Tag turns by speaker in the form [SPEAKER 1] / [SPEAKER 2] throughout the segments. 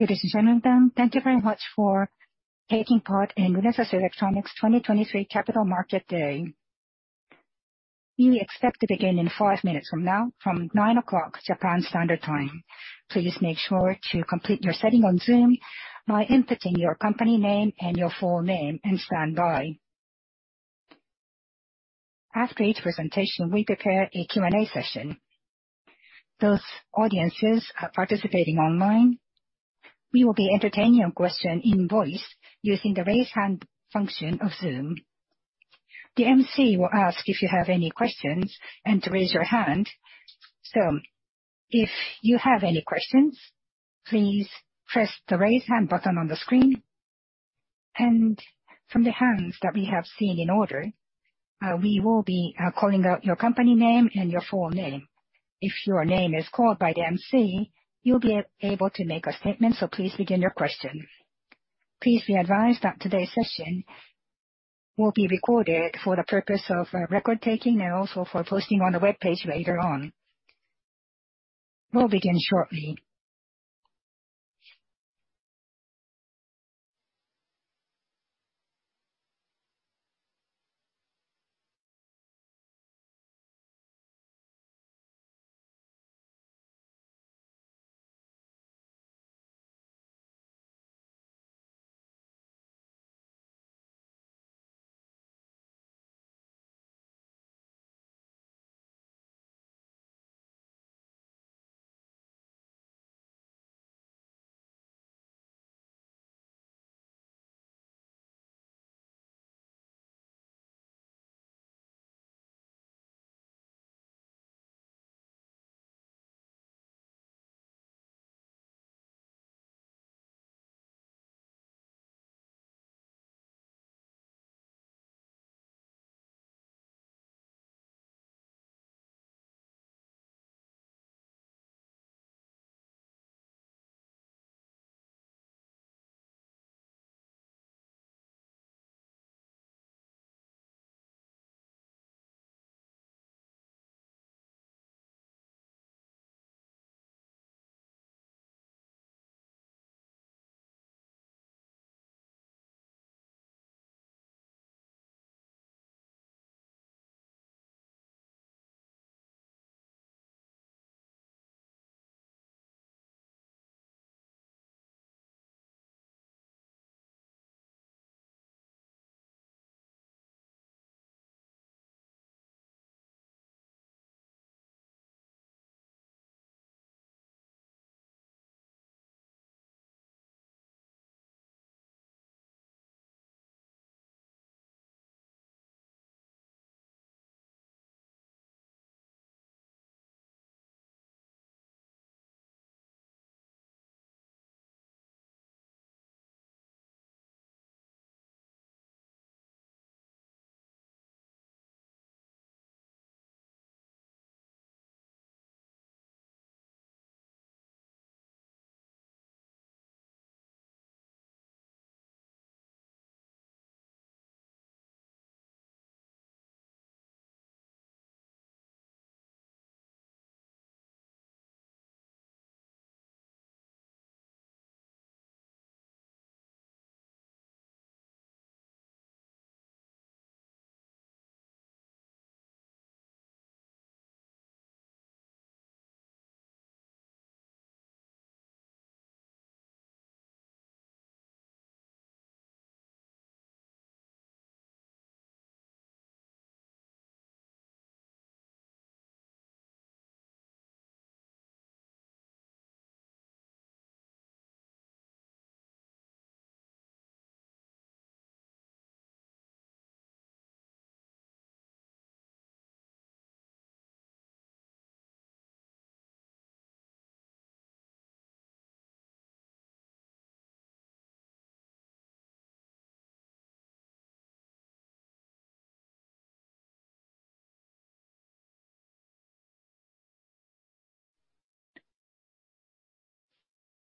[SPEAKER 1] Ladies and gentlemen, thank you very much for taking part in Renesas Electronics 2023 Capital Market Day. We expect to begin in 5 minutes from now, from 9:00 A.M., Japan Standard Time. Please make sure to complete your setting on Zoom by inputting your company name and your full name, and stand by. After each presentation, we prepare a Q&A session. Those audiences participating online, we will be entertaining your question in voice using the Raise Hand function of Zoom. The emcee will ask if you have any questions and to raise your hand. If you have any questions, please press the Raise Hand button on the screen, and from the hands that we have seen in order, we will be calling out your company name and your full name. If your name is called by the emcee, you'll be able to make a statement, so please begin your question. Please be advised that today's session will be recorded for the purpose of record-taking and also for posting on the webpage later on. We'll begin shortly.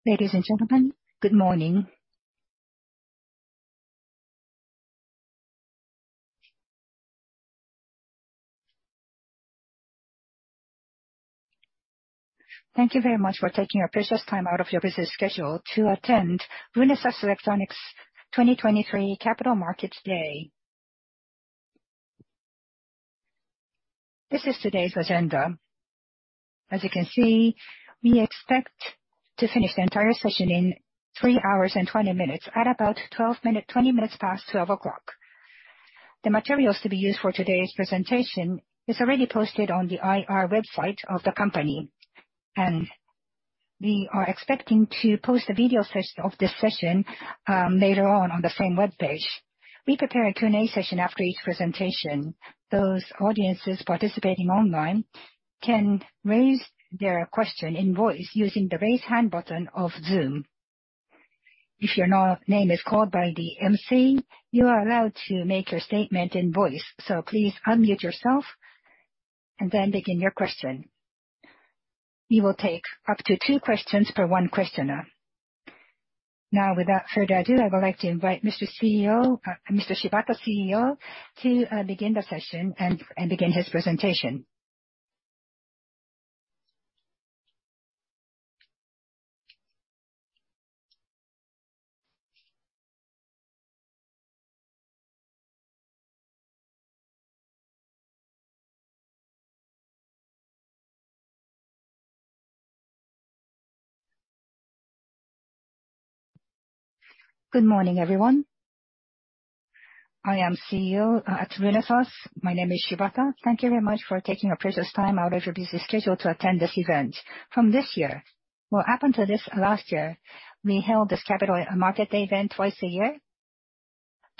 [SPEAKER 1] Ladies and gentlemen, good morning. Thank you very much for taking your precious time out of your busy schedule to attend Renesas Electronics' 2023 Capital Market Day. This is today's agenda. As you can see, we expect to finish the entire session in 3 hours and 20 minutes, at about 20 minutes past 12:00 P.M. The materials to be used for today's presentation is already posted on the IR website of the company, and we are expecting to post a video session of this session later on, on the same webpage. We prepare a Q&A session after each presentation. Those audiences participating online can raise their question in voice using the Raise Hand button of Zoom. If your name is called by the emcee, you are allowed to make your statement in voice, so please unmute yourself and then begin your question. We will take up to 2 questions per 1 questioner. Without further ado, I would like to invite Mr. CEO, Mr. Shibata, CEO, to begin the session and begin his presentation.
[SPEAKER 2] Good morning, everyone. I am CEO at Renesas. My name is Shibata. Thank you very much for taking your precious time out of your busy schedule to attend this event. From this year, what happened to this last year, we held this capital market event 2 times a year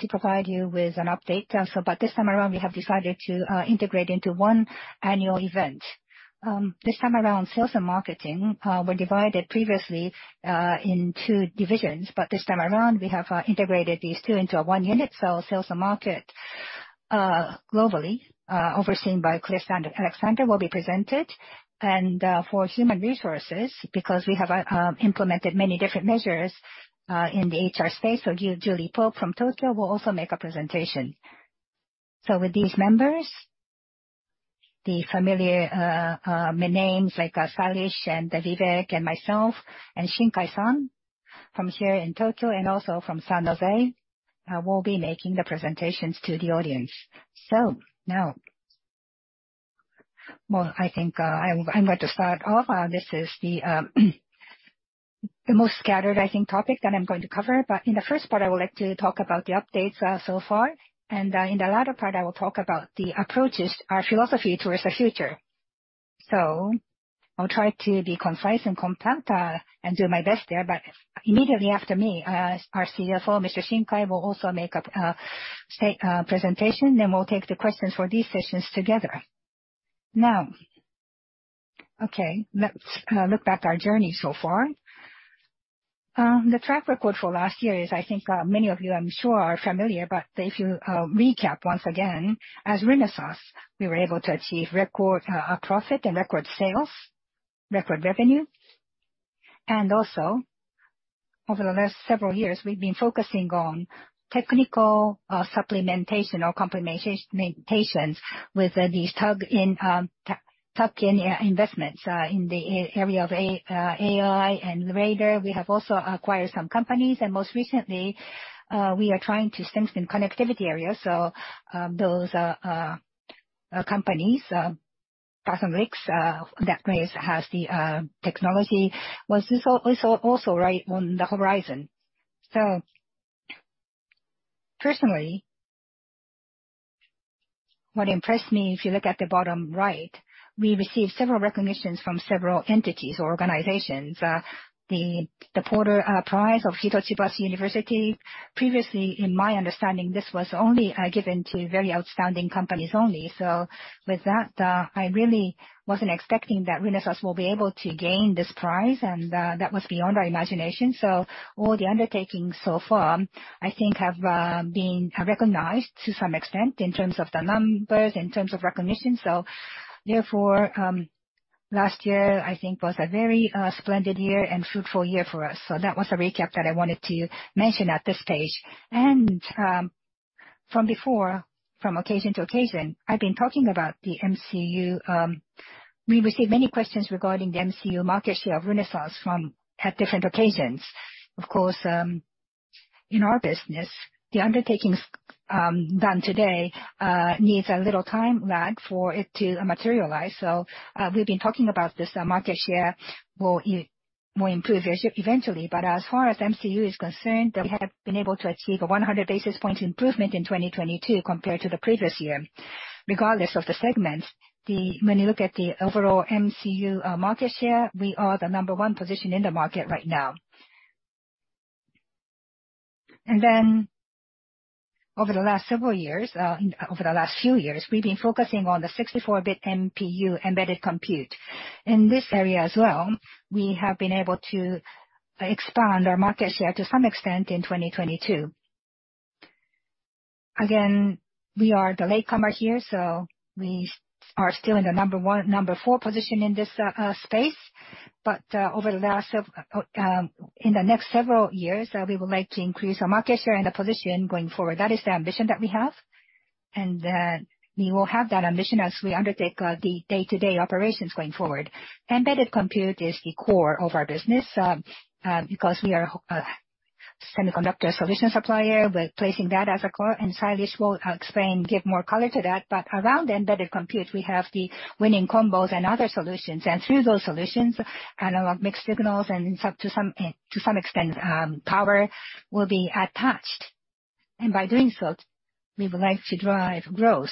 [SPEAKER 2] to provide you with an update also, but this time around, we have decided to integrate into 1 annual event. This time around, sales and marketing were divided previously in two divisions, but this time around, we have integrated these two into one unit. Sales and Market, globally, overseen by Chris Allexandre, will be presented. For Human Resources, because we have implemented many different measures in the HR space, Julie Pope from Tokyo will also make a presentation. With these members, the familiar names like Sailesh and Vivek and myself and Shinkai-san, from here in Tokyo and also from San Jose, will be making the presentations to the audience. Well, I think, I'm, I'm going to start off. This is the most scattered, I think, topic that I'm going to cover. In the first part, I would like to talk about the updates so far, and in the latter part, I will talk about the approaches, our philosophy towards the future. I'll try to be concise and compact and do my best there. Immediately after me, our CFO, Mr. Shinkai, will also make a state presentation. We'll take the questions for these sessions together. Okay, let's look back our journey so far. The track record for last year is, I think, many of you, I'm sure, are familiar, but if you recap once again, as Renesas, we were able to achieve record profit and record sales, record revenue. Also, over the last several years, we've been focusing on technical supplementation or complementations with these tuck-in investments in the area of AI and radar. We have also acquired some companies, and most recently, we are trying to strengthen connectivity areas, so those companies, Carson Bricks, that place has the technology, was also right on the horizon. Personally, what impressed me, if you look at the bottom right, we received several recognitions from several entities or organizations. The Porter Prize of Hitotsubashi University. Previously, in my understanding, this was only given to very outstanding companies only. With that, I really wasn't expecting that Renesas will be able to gain this prize, and that was beyond our imagination. All the undertakings so far, I think, have been, have recognized to some extent in terms of the numbers, in terms of recognition. Therefore, last year, I think, was a very splendid year and fruitful year for us. That was a recap that I wanted to mention at this stage. From before, from occasion to occasion, I've been talking about the MCU. We received many questions regarding the MCU market share of Renesas from, at different occasions. Of course, in our business, the undertakings done today needs a little time lag for it to materialize. We've been talking about this market share will improve eventually, but as far as MCU is concerned, we have been able to achieve a 100 basis point improvement in 2022 compared to the previous year. Regardless of the segments, the when you look at the overall MCU market share, we are the number one position in the market right now. Over the last several years, over the last few years, we've been focusing on the 64-bit MPU embedded compute. In this area as well, we have been able to expand our market share to some extent in 2022. Again, we are the latecomer here, so we are still in the number four position in this space. In the next several years, we would like to increase our market share and the position going forward. That is the ambition that we have, and, we will have that ambition as we undertake the day-to-day operations going forward. Embedded compute is the core of our business, because we are a semiconductor solution supplier, we're placing that as a core, and Sailesh will explain, give more color to that. Around the embedded compute, we have the Winning Combos and other solutions, and through those solutions, analog mixed-signal and some, to some extent, power, will be attached. By doing so, we would like to drive growth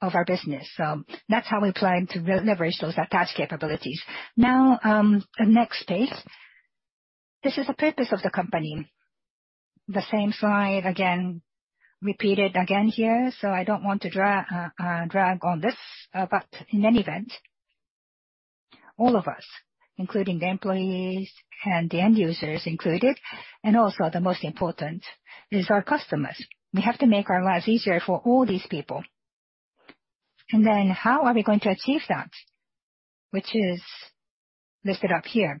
[SPEAKER 2] of our business. That's how we plan to re- leverage those attached capabilities. The next page. This is the purpose of the company. The same slide again, repeated again here, so I don't want to drag on this, but in any event, all of us, including the employees and the end users included, and also the most important, is our customers. We have to make our lives easier for all these people. How are we going to achieve that? Which is listed up here.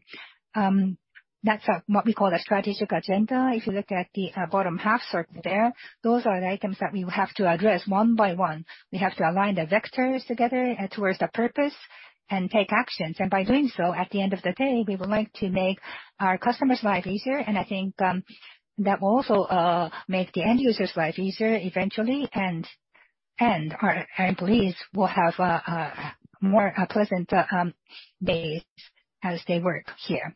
[SPEAKER 2] That's what we call a strategic agenda. If you look at the bottom half circle there, those are the items that we will have to address one by one. We have to align the vectors together towards the purpose and take actions, and by doing so, at the end of the day, we would like to make our customers' life easier, and I think that will also make the end users' life easier eventually. Our end employees will have more pleasant days as they work here.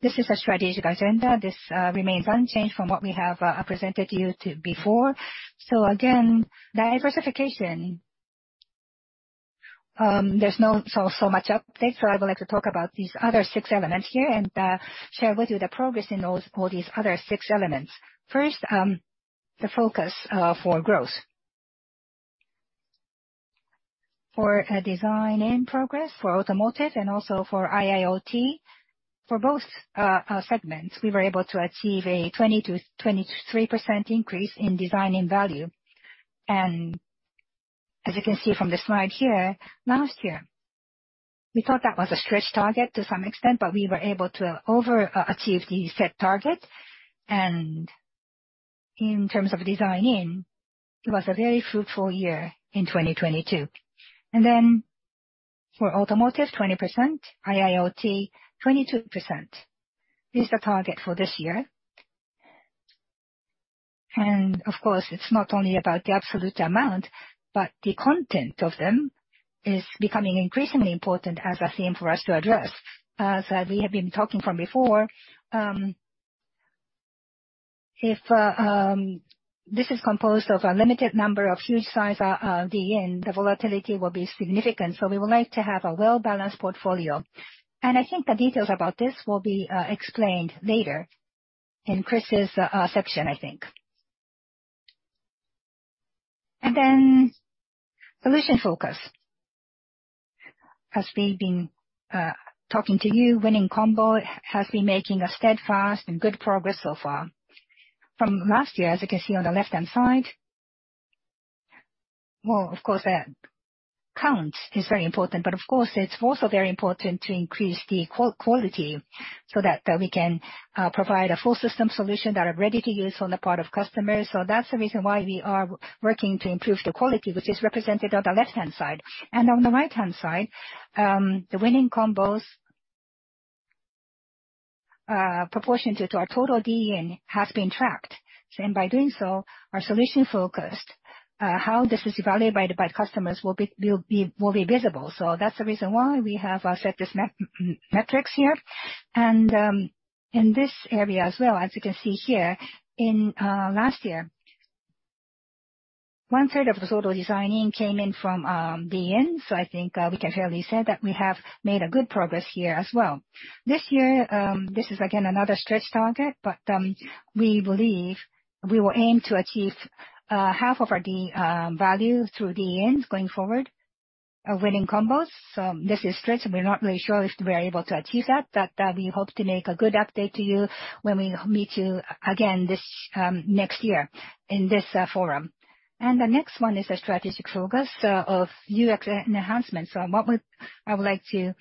[SPEAKER 2] This is a strategic agenda. This remains unchanged from what we have presented to you to before. Again, diversification, there's no so much update, so I would like to talk about these other 6 elements here, share with you the progress in all these other 6 elements. First, the focus for growth. For a design-in progress, for automotive and also for IIoT, for both segments, we were able to achieve a 20%-23% increase in design-in value. As you can see from the slide here, last year, we thought that was a stretch target to some extent, but we were able to over achieve the set target. In terms of design-in, it was a very fruitful year in 2022. For automotive, 20%, IIoT, 22%, is the target for this year. Of course, it's not only about the absolute amount, but the content of them is becoming increasingly important as a theme for us to address. As, as we have been talking from before, if this is composed of a limited number of huge size DN, the volatility will be significant, so we would like to have a well-balanced portfolio. I think the details about this will be explained later in Chris's section, I think. Solution focus. As we've been talking to you, Winning Combo has been making a steadfast and good progress so far. From last year, as you can see on the left-hand side, well, of course, count is very important, but of course, it's also very important to increase the quality so that we can provide a full system solution that are ready to use on the part of customers. That's the reason why we are working to improve the quality, which is represented on the left-hand side. On the right-hand side, the Winning Combos proportion to our total DN has been tracked. By doing so, our solution focused, how this is evaluated by the customers will be, will be, will be visible. That's the reason why we have set this metrics here. In this area as well, as you can see here, in last year, one third of the total design-in came in from DN, I think, we can fairly say that we have made a good progress here as well. This year, this is again, another stretch target, but we believe we will aim to achieve half of our D- value through DNs going forward, a Winning Combinations. This is stretch, and we're not really sure if we're able to achieve that, but we hope to make a good update to you when we meet you again this next year in this forum. The next one is a strategic focus of UX and enhancement. What I would like to...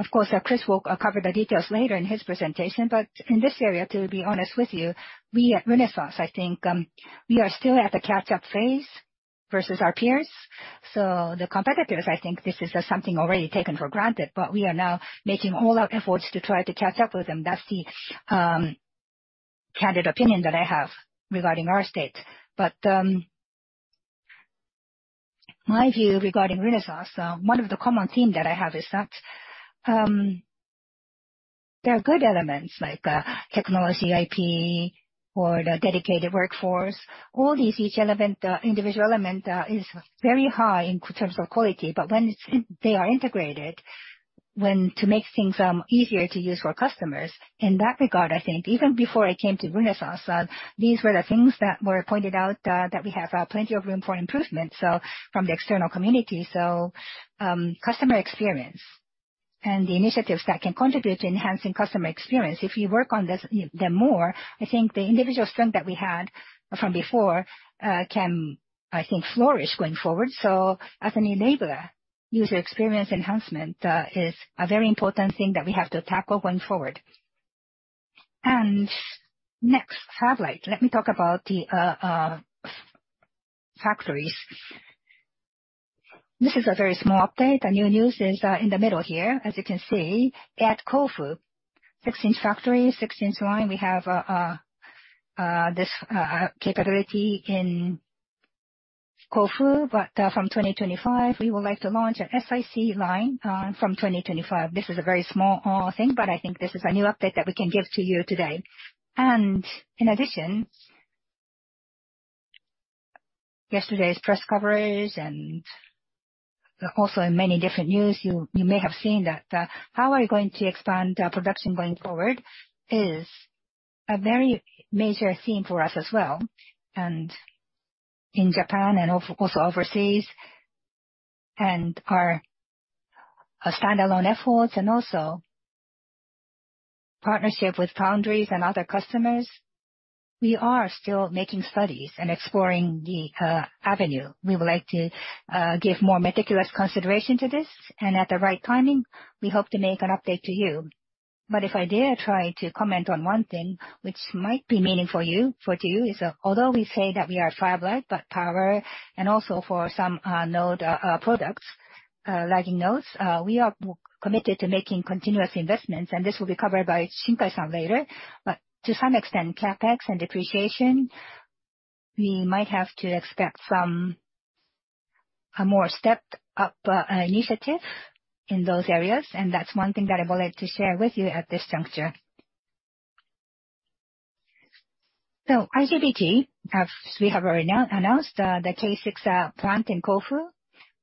[SPEAKER 2] Of course, Chris will cover the details later in his presentation, but in this area, to be honest with you, we at Renesas, I think, we are still at the catch-up phase versus our peers. The competitors, I think this is something already taken for granted, but we are now making all our efforts to try to catch up with them. That's the candid opinion that I have regarding our state. My view regarding Renesas, one of the common theme that I have is that, there are good elements like, technology, IP, or the dedicated workforce. All these, each element, individual element, is very high in terms of quality, but when they are integrated, when to make things easier to use for customers, in that regard, I think even before I came to Renesas, these were the things that were pointed out, that we have plenty of room for improvement, so from the external community. Customer experience and the initiatives that can contribute to enhancing customer experience, if you work on this, the more, I think, the individual strength that we had from before, can, I think, flourish going forward. As an enabler, user experience enhancement is a very important thing that we have to tackle going forward. Next slide. Let me talk about the factories. This is a very small update. The new news is, in the middle here. As you can see, at Kofu, 16 factory, 16 line, we have this capability in Kofu, but from 2025, we would like to launch an SIC line from 2025. This is a very small thing, but I think this is a new update that we can give to you today. In addition, yesterday's press coverage and also in many different news, you, you may have seen that how we're going to expand our production going forward is a very major theme for us as well, and in Japan and also overseas, and our, our standalone efforts and also.... partnership with foundries and other customers, we are still making studies and exploring the avenue. We would like to give more meticulous consideration to this, and at the right timing, we hope to make an update to you. If I dare try to comment on one thing, which might be meaning for you, for to you, is that although we say that we are fabless, power and also for some node products, lagging nodes, we are committed to making continuous investments, and this will be covered by Shinkai-san later. To some extent, CapEx and depreciation, we might have to expect some, a more stepped up initiative in those areas, and that's one thing that I would like to share with you at this juncture. IGBT, as we have already announced, the K6 plant in Kofu,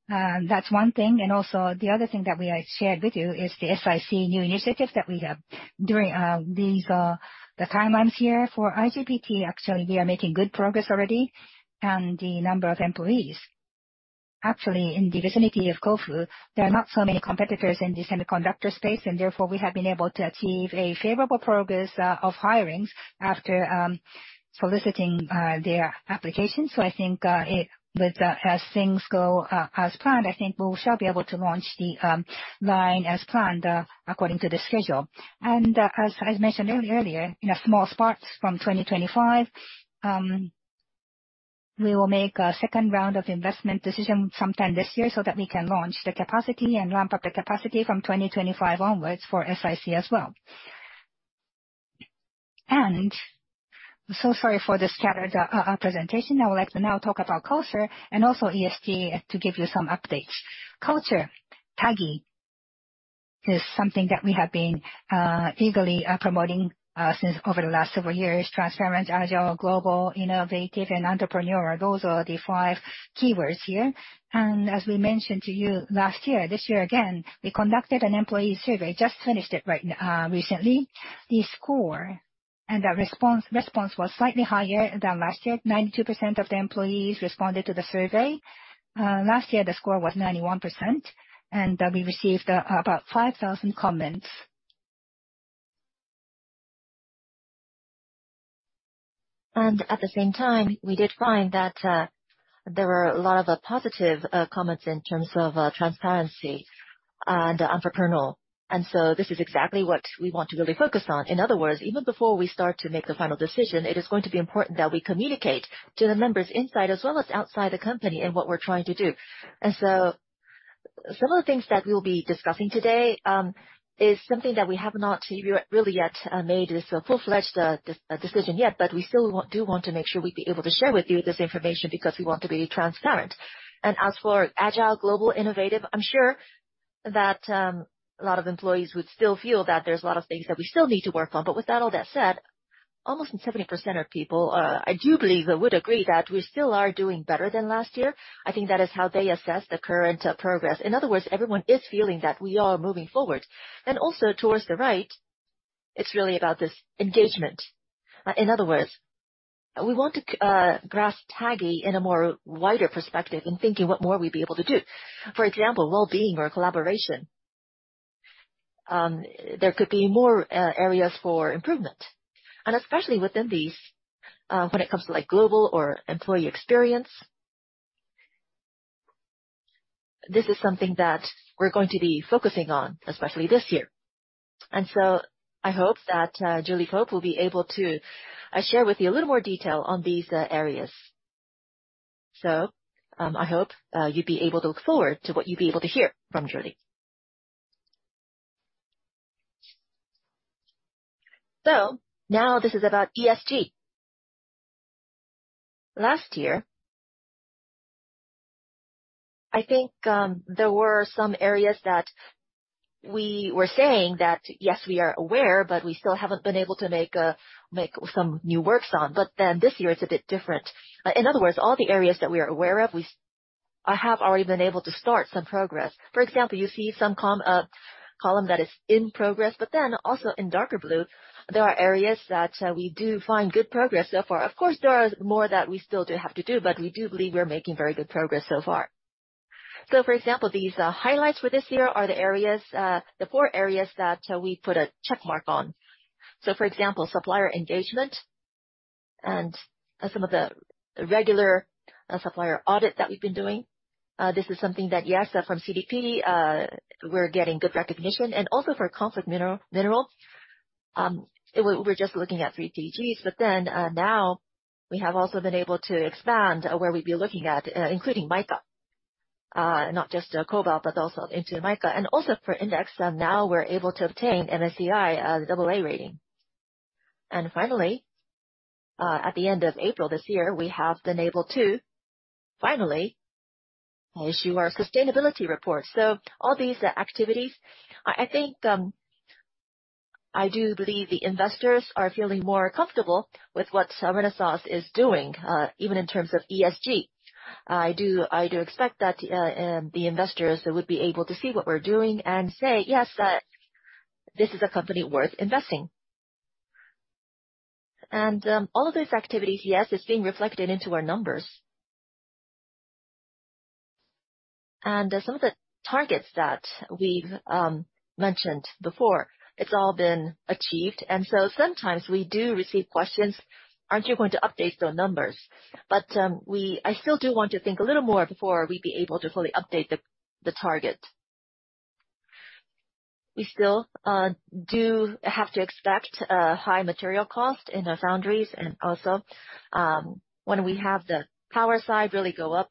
[SPEAKER 2] that's one thing. Also, the other thing that we have shared with you is the SiC new initiative that we have during these the timelines here. For IGBT, actually, we are making good progress already, and the number of employees. Actually, in the vicinity of Kofu, there are not so many competitors in the semiconductor space, and therefore, we have been able to achieve a favorable progress of hirings after soliciting their applications. I think it, with, as things go as planned, I think we shall be able to launch the line as planned, according to the schedule. As mentioned earlier, in a small sparks from 2025, we will make a second round of investment decision sometime this year so that we can launch the capacity and ramp up the capacity from 2025 onwards for SiC as well. Sorry for the scattered presentation. I would like to now talk about culture and also ESG to give you some updates. Culture. TAGI is something that we have been eagerly promoting since over the last several years. Transparent, agile, global, innovative, and entrepreneurial. Those are the five keywords here. As we mentioned to you last year, this year again, we conducted an employee survey, just finished it right recently. The score and the response was slightly higher than last year. 92% of the employees responded to the survey. Last year, the score was 91%, and we received about 5,000 comments. At the same time, we did find that there were a lot of positive comments in terms of transparency and entrepreneurial, and so this is exactly what we want to really focus on. In other words, even before we start to make the final decision, it is going to be important that we communicate to the members inside as well as outside the company, in what we're trying to do. Some of the things that we'll be discussing today is something that we have not really yet made this a full-fledged decision yet, but we still do want to make sure we'd be able to share with you this information, because we want to be transparent. As for agile, global, innovative, I'm sure that a lot of employees would still feel that there's a lot of things that we still need to work on. With that all that said, almost 70% of people, I do believe, would agree that we still are doing better than last year. I think that is how they assess the current progress. In other words, everyone is feeling that we are moving forward. Also towards the right, it's really about this engagement. In other words, we want to grasp TAGI in a more wider perspective, in thinking what more we'd be able to do. For example, well-being or collaboration. There could be more areas for improvement, and especially within these when it comes to, like, global or employee experience. This is something that we're going to be focusing on, especially this year. I hope that Julie Pope will be able to share with you a little more detail on these areas. I hope you'd be able to look forward to what you'll be able to hear from Julie. Now this is about ESG. Last year, I think, there were some areas that we were saying that, yes, we are aware, but we still haven't been able to make some new works on. This year, it's a bit different. In other words, all the areas that we are aware of, we I have already been able to start some progress. For example, you see some column that is in progress, but then also in darker blue, there are areas that we do find good progress so far. Of course, there are more that we still do have to do, but we do believe we are making very good progress so far. For example, these highlights for this year are the areas, the 4 areas that we put a check mark on. For example, supplier engagement and some of the regular supplier audit that we've been doing. This is something that, yes, from CDP, we're getting good recognition, and also for conflict mineral. We're, we're just looking at 3TGs, but then, now we have also been able to expand, where we'd be looking at, including mica, not just cobalt, but also into mica. Also for index, now we're able to obtain MSCI, AA rating. Finally, at the end of April this year, we have been able to finally issue our Sustainability Report. All these activities, I, I think, I do believe the investors are feeling more comfortable with what Renesas is doing, even in terms of ESG. I do, I do expect that the investors would be able to see what we're doing and say, "Yes, this is a company worth investing." All of these activities, yes, is being reflected into our numbers. Some of the targets that we've mentioned before, it's all been achieved. Sometimes we do receive questions: "Aren't you going to update the numbers?" We-- I still do want to think a little more before we'd be able to fully update the, the target. We still do have to expect high material cost in the foundries, and also, when we have the power side really go up,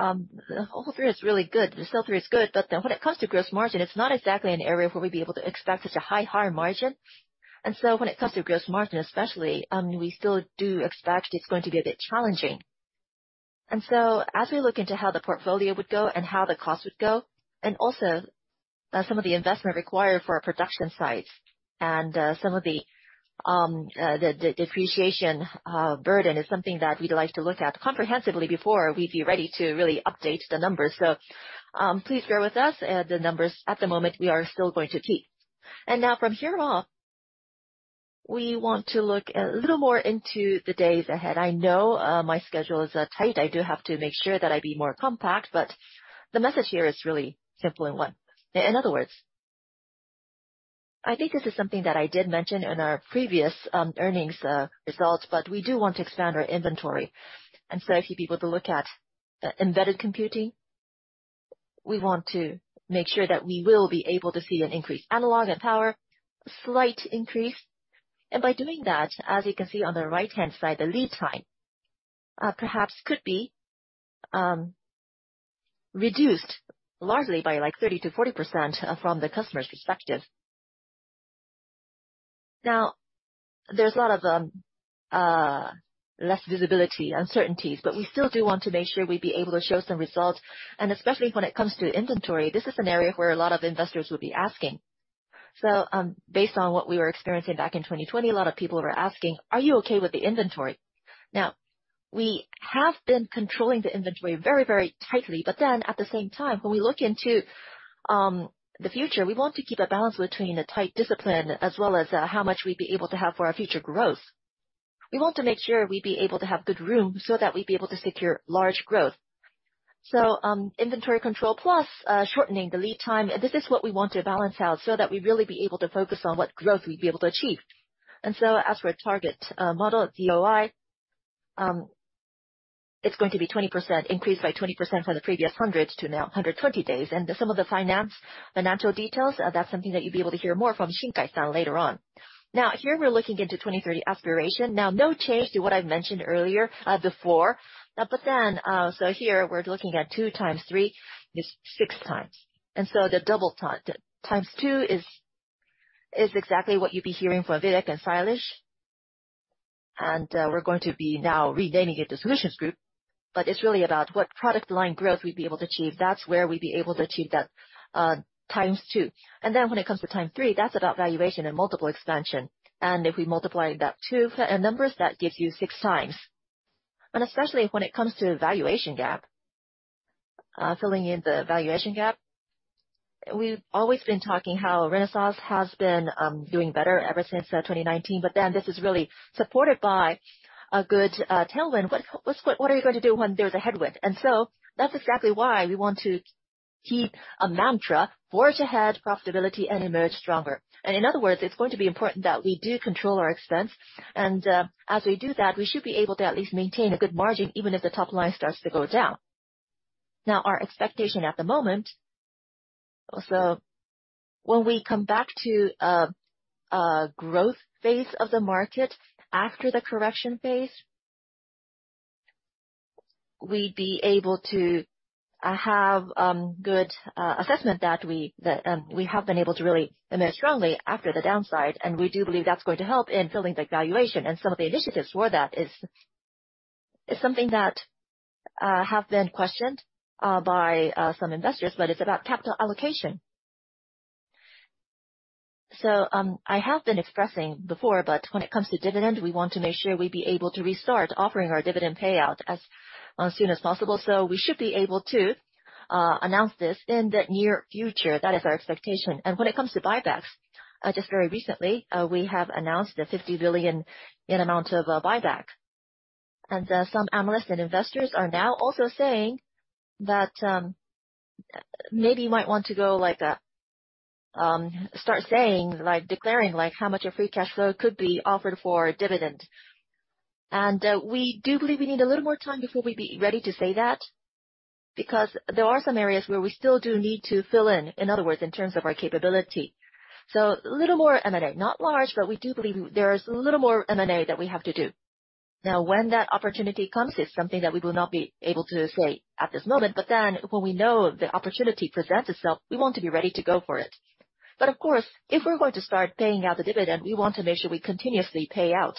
[SPEAKER 2] the overall three is really good, the sell-through is good, but then when it comes to gross margin, it's not exactly an area where we'd be able to expect such a high, higher margin. When it comes to gross margin, especially, we still do expect it's going to be a bit challenging. As we look into how the portfolio would go and how the cost would go, also, some of the investment required for our production sites, and some of the, the, the depreciation burden is something that we'd like to look at comprehensively before we'd be ready to really update the numbers. Please bear with us, the numbers at the moment, we are still going to keep. From here on, we want to look a little more into the days ahead. I know, my schedule is tight. I do have to make sure that I be more compact, but the message here is really simple and one. In other words, I think this is something that I did mention in our previous earnings results, but we do want to expand our inventory. If you people to look at the embedded computing, we want to make sure that we will be able to see an increased analog and power, slight increase. By doing that, as you can see on the right-hand side, the lead time, perhaps could be reduced largely by, like, 30%-40% from the customer's perspective. Now, there's a lot of less visibility, uncertainties, but we still do want to make sure we'd be able to show some results. Especially when it comes to inventory, this is an area where a lot of investors would be asking. Based on what we were experiencing back in 2020, a lot of people were asking: "Are you okay with the inventory?" Now, we have been controlling the inventory very, very tightly, but then at the same time, when we look into the future, we want to keep a balance between a tight discipline as well as how much we'd be able to have for our future growth. We want to make sure we'd be able to have good room so that we'd be able to secure large growth. Inventory control, plus shortening the lead time, and this is what we want to balance out so that we'd really be able to focus on what growth we'd be able to achieve. As for a target, model DOI, it's going to be 20%, increased by 20% from the previous 100 to now 120 days. Some of the finance, financial details, that's something that you'll be able to hear more from Shinkai-san later on. Here, we're looking into 2030 aspiration. No change to what I've mentioned earlier, before. Here, we're looking at 2 times 3 is 6 times. The double time, times 2 is, is exactly what you'd be hearing from Vivek and Sailesh. We're going to be now renaming it to Solutions Group, but it's really about what product line growth we'd be able to achieve. That's where we'd be able to achieve that, times 2. When it comes to time 3, that's about valuation and multiple expansion. If we multiply that 2 numbers, that gives you 6 times. Especially when it comes to valuation gap, filling in the valuation gap, we've always been talking how Renesas has been doing better ever since 2019, but then this is really supported by a good tailwind. What are you going to do when there's a headwind? That's exactly why we want to keep a mantra, forge ahead, profitability, and emerge stronger. In other words, it's going to be important that we do control our expense, and as we do that, we should be able to at least maintain a good margin, even if the top line starts to go down. Now, our expectation at the moment... When we come back to a growth phase of the market after the correction phase, we'd be able to have good assessment that we, that, we have been able to really emerge strongly after the downside, and we do believe that's going to help in filling the valuation. Some of the initiatives for that is, is something that have been questioned by some investors, but it's about capital allocation. I have been expressing before, but when it comes to dividend, we want to make sure we'd be able to restart offering our dividend payout as soon as possible. We should be able to announce this in the near future. That is our expectation. When it comes to buybacks, just very recently, we have announced a 50 billion in amount of buyback. Some analysts and investors are now also saying that maybe you might want to go like start saying, like declaring, like, how much of free cash flow could be offered for dividend. We do believe we need a little more time before we'd be ready to say that, because there are some areas where we still do need to fill in, in other words, in terms of our capability. A little more M&A, not large, but we do believe there is a little more M&A that we have to do. When that opportunity comes is something that we will not be able to say at this moment, but when we know the opportunity presents itself, we want to be ready to go for it. Of course, if we're going to start paying out the dividend, we want to make sure we continuously pay out.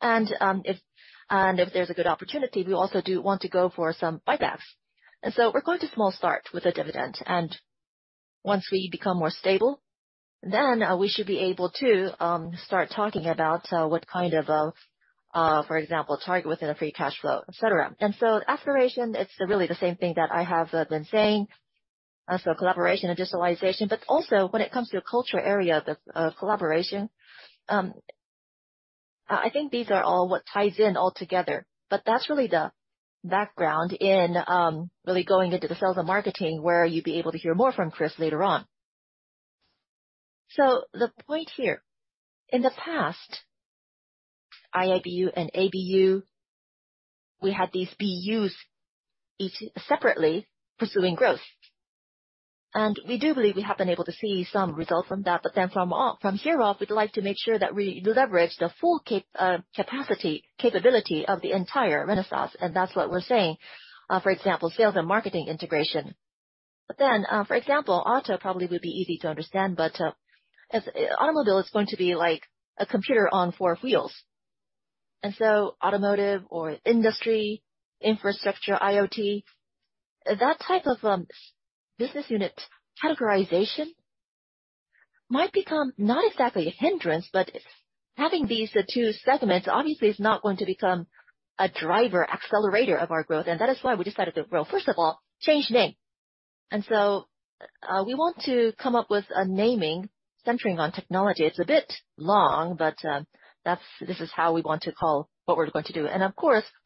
[SPEAKER 2] If there's a good opportunity, we also do want to go for some buybacks. So we're going to small start with the dividend, and once we become more stable, then we should be able to start talking about what kind of, for example, target within a free cash flow, et cetera. Aspiration, it's really the same thing that I have been saying. So collaboration and digitalization, but also when it comes to cultural area of the collaboration,... I think these are all what ties in all together, but that's really the background in really going into the sales and marketing, where you'll be able to hear more from Chris later on. The point here, in the past, IIBU and ABU, we had these BUs each separately pursuing growth, and we do believe we have been able to see some results from that. From here on, we'd like to make sure that we leverage the full capacity, capability of the entire Renesas, and that's what we're saying. For example, sales and marketing integration. For example, auto probably would be easy to understand, but, as automobile, it's going to be like a computer on four wheels. Automotive or industry, infrastructure, IoT, that type of business unit categorization might become not exactly a hindrance, but having these, the two segments, obviously is not going to become a driver, accelerator of our growth. That is why we decided to, well, first of all, change name. We want to come up with a naming centering on technology. It's a bit long, but this is how we want to call what we're going to do.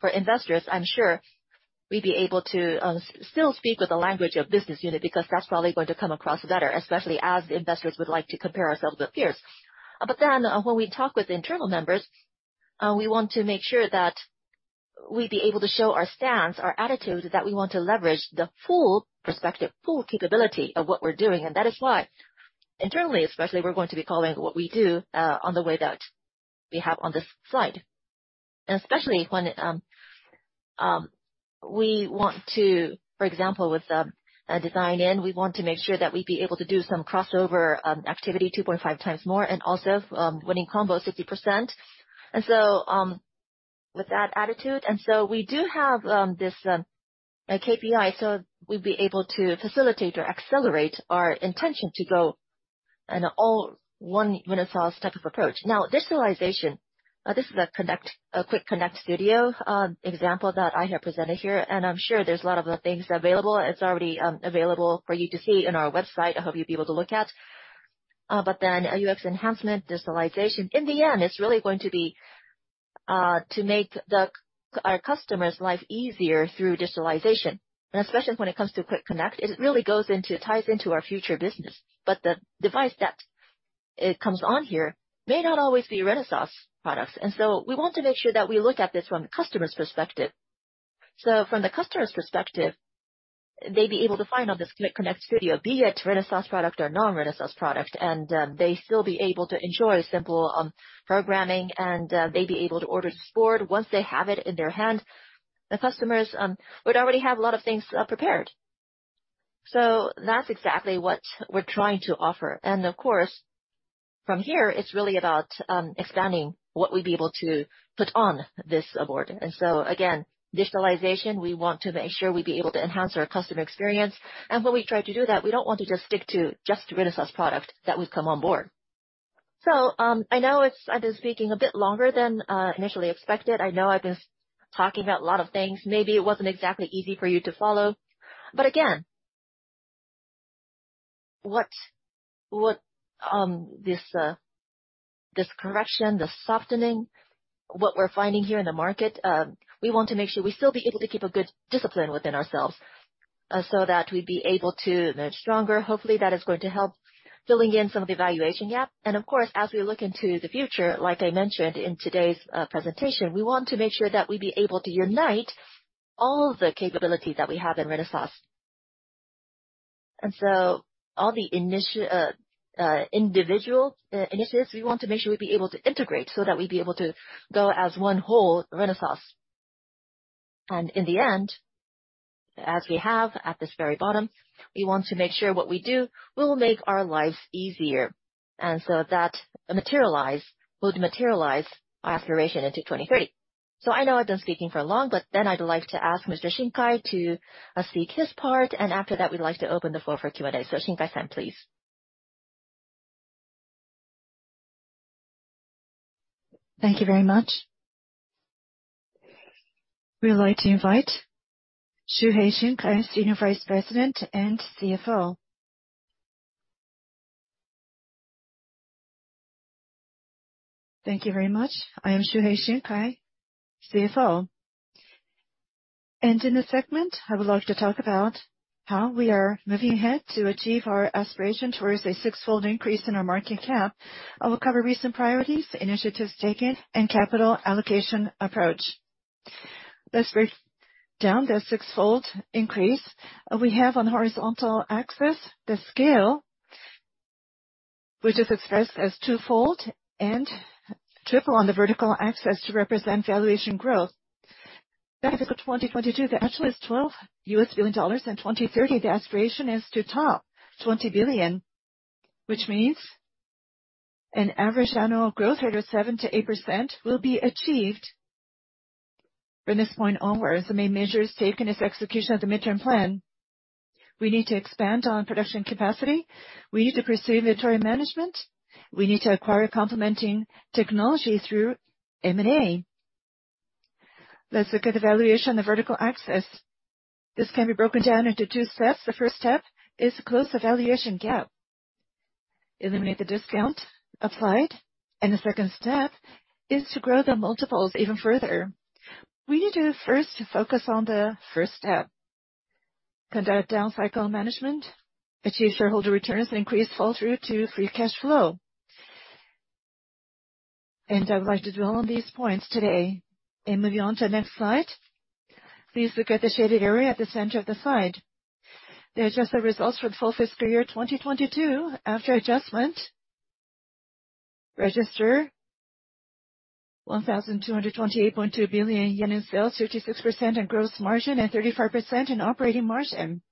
[SPEAKER 2] For investors, I'm sure we'd be able to still speak with the language of business unit, because that's probably going to come across better, especially as investors would like to compare ourselves with peers. When we talk with internal members, we want to make sure that we be able to show our stance, our attitude, that we want to leverage the full perspective, full capability of what we're doing. Internally especially, we're going to be calling what we do on the way that we have on this slide. Especially when we want to, for example, with design-in, we want to make sure that we'd be able to do some crossover activity 2.5 times more, and also Winning Combo, 60%. With that attitude, we do have this KPI, so we'd be able to facilitate or accelerate our intention to go in all one Renesas type of approach. Digitalization, this is a connect, a Quick Connect Studio example that I have presented here, and I'm sure there's a lot of other things available. It's already available for you to see on our website. I hope you'll be able to look at. UX enhancement, digitalization, in the end, it's really going to be to make the, our customer's life easier through digitalization. Especially when it comes to Quick Connect, it really goes into, ties into our future business. The device that it comes on here may not always be Renesas products, and so we want to make sure that we look at this from the customer's perspective. From the customer's perspective, they'd be able to find on this Quick-Connect Studio, be it Renesas product or non-Renesas product, and they still be able to enjoy simple programming, and they'd be able to order this board. Once they have it in their hand, the customers would already have a lot of things prepared. That's exactly what we're trying to offer. Of course, from here, it's really about expanding what we'd be able to put on this board. Again, digitalization, we want to make sure we be able to enhance our customer experience. When we try to do that, we don't want to just stick to just Renesas product that would come on board. I know I've been speaking a bit longer than initially expected. I know I've been talking about a lot of things. Maybe it wasn't exactly easy for you to follow, again, what, what, this correction, the softening, what we're finding here in the market, we want to make sure we still be able to keep a good discipline within ourselves, so that we'd be able to get stronger. Hopefully, that is going to help filling in some of the valuation gap. Of course, as we look into the future, like I mentioned in today's presentation, we want to make sure that we be able to unite all the capabilities that we have in Renesas. All the individual initiatives, we want to make sure we be able to integrate so that we be able to go as one whole Renesas. In the end, as we have at this very bottom, we want to make sure what we do will make our lives easier, and so that materialize, will materialize our aspiration into 2030. I know I've been speaking for long, but then I'd like to ask Mr. Shinkai to speak his part, and after that, we'd like to open the floor for Q&A. Shinkai-san, please.
[SPEAKER 1] Thank you very much. We would like to invite Shuhei Shinkai, Senior Vice President and CFO.
[SPEAKER 3] Thank you very much. I am Shuhei Shinkai, CFO. In this segment, I would like to talk about how we are moving ahead to achieve our aspiration towards a sixfold increase in our market cap. I will cover recent priorities, initiatives taken, and capital allocation approach. Let's break down the sixfold increase. We have on horizontal axis, the scale, which is expressed as twofold and triple on the vertical axis to represent valuation growth. Back to 2022, the actual is $12 billion. In 2030, the aspiration is to top $20 billion, which means an average annual growth rate of 7%-8% will be achieved from this point onwards. The main measures taken is execution of the midterm plan. We need to expand on production capacity. We need to pursue inventory management. We need to acquire complementing technology through M&A. Let's look at the valuation on the vertical axis. This can be broken down into two steps. The first step is to close the valuation gap, eliminate the discount applied, and the second step is to grow the multiples even further. We need to first focus on the first step, conduct down cycle management, achieve shareholder returns, and increase fall through to free cash flow. I would like to dwell on these points today and move on to the next slide. Please look at the shaded area at the center of the slide. They are just the results for the full fiscal year 2022. After adjustment, register 1,228.2 billion yen in sales, 36% in gross margin and 35% in operating margin.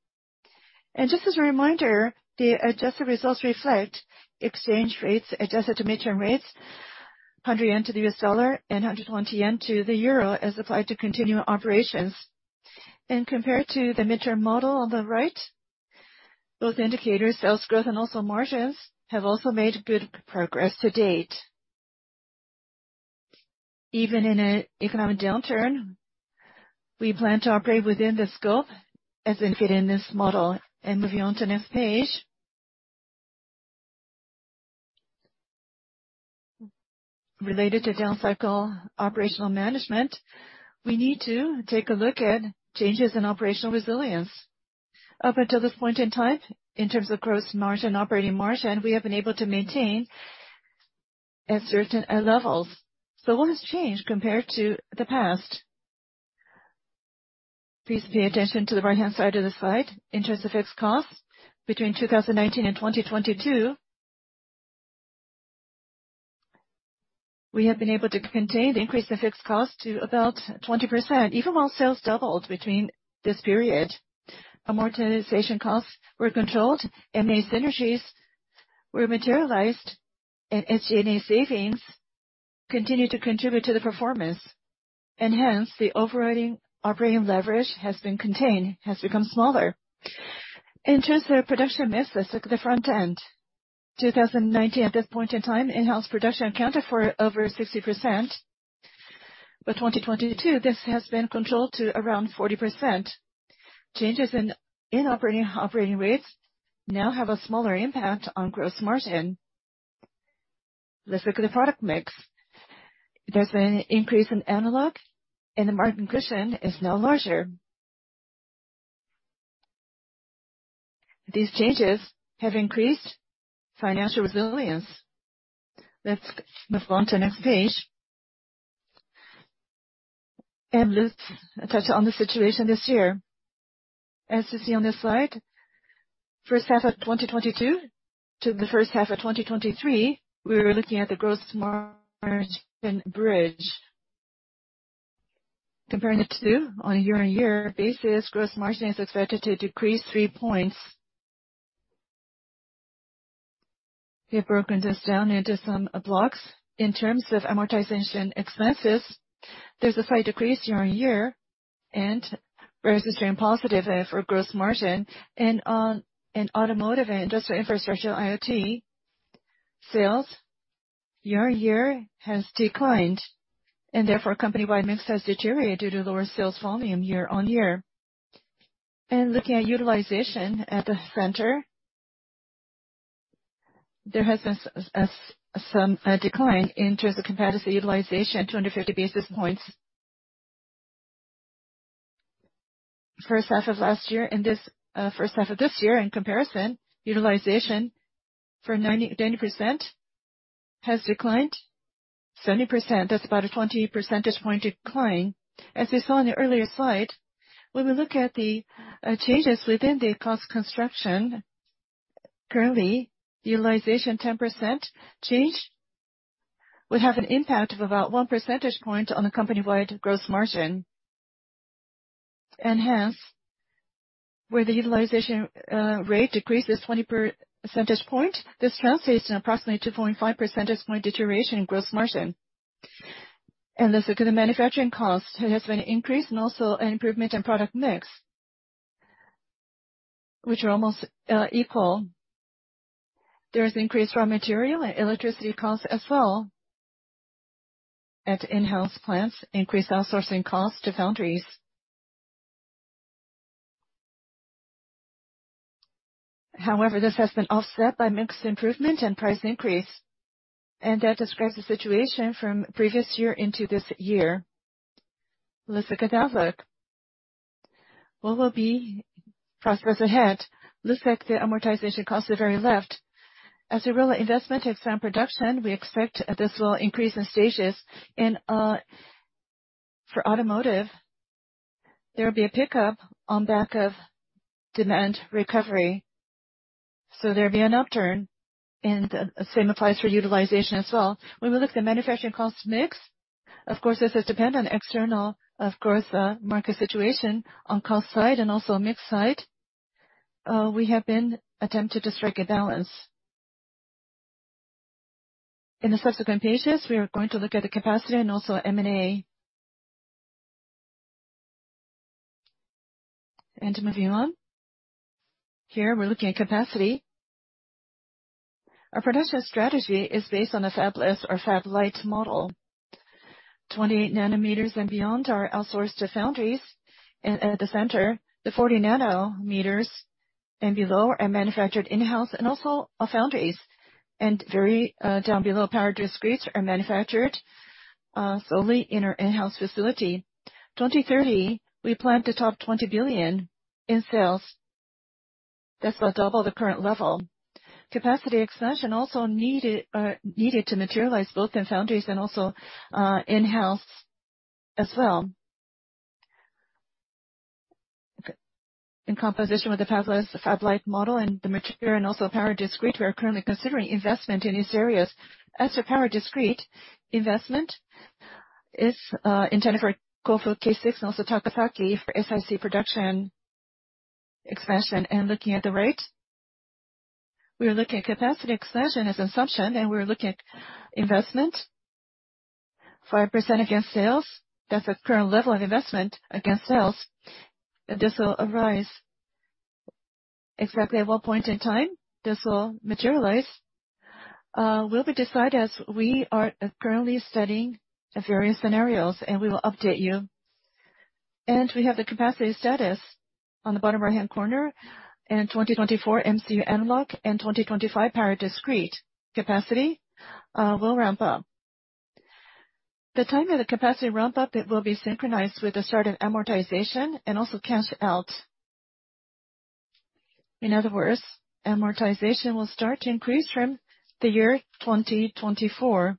[SPEAKER 3] Just as a reminder, the adjusted results reflect exchange rates adjusted to midterm rates, 100 yen to the U.S. dollar and 120 yen to the euro, as applied to continuing operations. Compared to the midterm model on the right, both indicators, sales growth and also margins, have also made good progress to date. Even in an economic downturn, we plan to operate within the scope, as indicated in this model. Moving on to the next page. Related to down cycle operational management, we need to take a look at changes in operational resilience. Up until this point in time, in terms of gross margin and operating margin, we have been able to maintain at certain levels. What has changed compared to the past? Please pay attention to the right-hand side of the slide. In terms of fixed costs, between 2019 and 2022, we have been able to contain the increase in fixed cost to about 20%, even while sales doubled between this period. Amortization costs were controlled, M&A synergies were materialized, and SG&A savings continue to contribute to the performance, and hence, the overriding operating leverage has been contained, has become smaller. In terms of production mix, let's look at the front end. 2019, at this point in time, in-house production accounted for over 60%. By 2022, this has been controlled to around 40%. Changes in operating rates now have a smaller impact on gross margin. Let's look at the product mix. There's an increase in analog, and the margin cushion is now larger. These changes have increased financial resilience. Let's move on to the next page. Let's touch on the situation this year. As you see on this slide, first half of 2022 to the first half of 2023, we were looking at the gross margin bridge. Comparing the two on a year-on-year basis, gross margin is expected to decrease 3 points. We have broken this down into some blocks. In terms of amortization expenses, there's a slight decrease year-on-year and registering positive for gross margin. In automotive and industrial infrastructure, IoT, sales year-on-year has declined, and therefore, company-wide mix has deteriorated due to lower sales volume year-on-year. Looking at utilization at the center, there has been as some decline in terms of capacity utilization, 250 basis points. First half of last year and this first half of this year in comparison, utilization for 90, 90% has declined 70%. That's about a 20 percentage point decline. As you saw in the earlier slide, when we look at the changes within the cost construction, currently, utilization 10% change would have an impact of about 1 percentage point on the company-wide gross margin. Hence, where the utilization rate decreases 20 percentage point, this translates to approximately 2.5 percentage point deterioration in gross margin. Let's look at the manufacturing cost. It has been increased and also an improvement in product mix, which are almost equal. There is increase raw material and electricity costs as well at in-house plants, increased outsourcing costs to foundries. However, this has been offset by mix improvement and price increase, and that describes the situation from previous year into this year. Let's look at the outlook. What will be progress ahead? Looks like the amortization cost at the very left. As we roll out investment to expand production, we expect this will increase in stages and, for automotive, there will be a pickup on back of demand recovery, so there'll be an upturn, and the same applies for utilization as well. When we look at the manufacturing cost mix, of course, this is dependent on external, of course, market situation. On cost side and also mix side, we have been attempting to strike a balance. In the subsequent pages, we are going to look at the capacity and also M&A... Moving on. Here, we're looking at capacity. Our production strategy is based on a fabless or fab-lite model. 28 nanometers and beyond are outsourced to foundries, and at the center, the 40 nanometers and below are manufactured in-house and also our foundries. Very down below, power discretes are manufactured solely in our in-house facility. 2030, we plan to top 20 billion in sales. That's about double the current level. Capacity expansion also needed, needed to materialize both in foundries and also in-house as well. In composition with the fabless, fab-lite model, and the material, and also power discrete, we are currently considering investment in these areas. As for power discrete investment, it's intended for Kofu, K6, and also Takasaki for SiC production expansion. Looking at the rate, we are looking at capacity expansion as assumption, and we're looking at investment 5% against sales. That's the current level of investment against sales, and this will arise exactly at what point in time, this will materialize, will be decided as we are currently studying the various scenarios, and we will update you. We have the capacity status on the bottom right-hand corner. In 2024, MCU analog, and 2025, power discrete capacity will ramp up. The timing of the capacity ramp up, it will be synchronized with the start of amortization and also cash out. In other words, amortization will start to increase from the year 2024.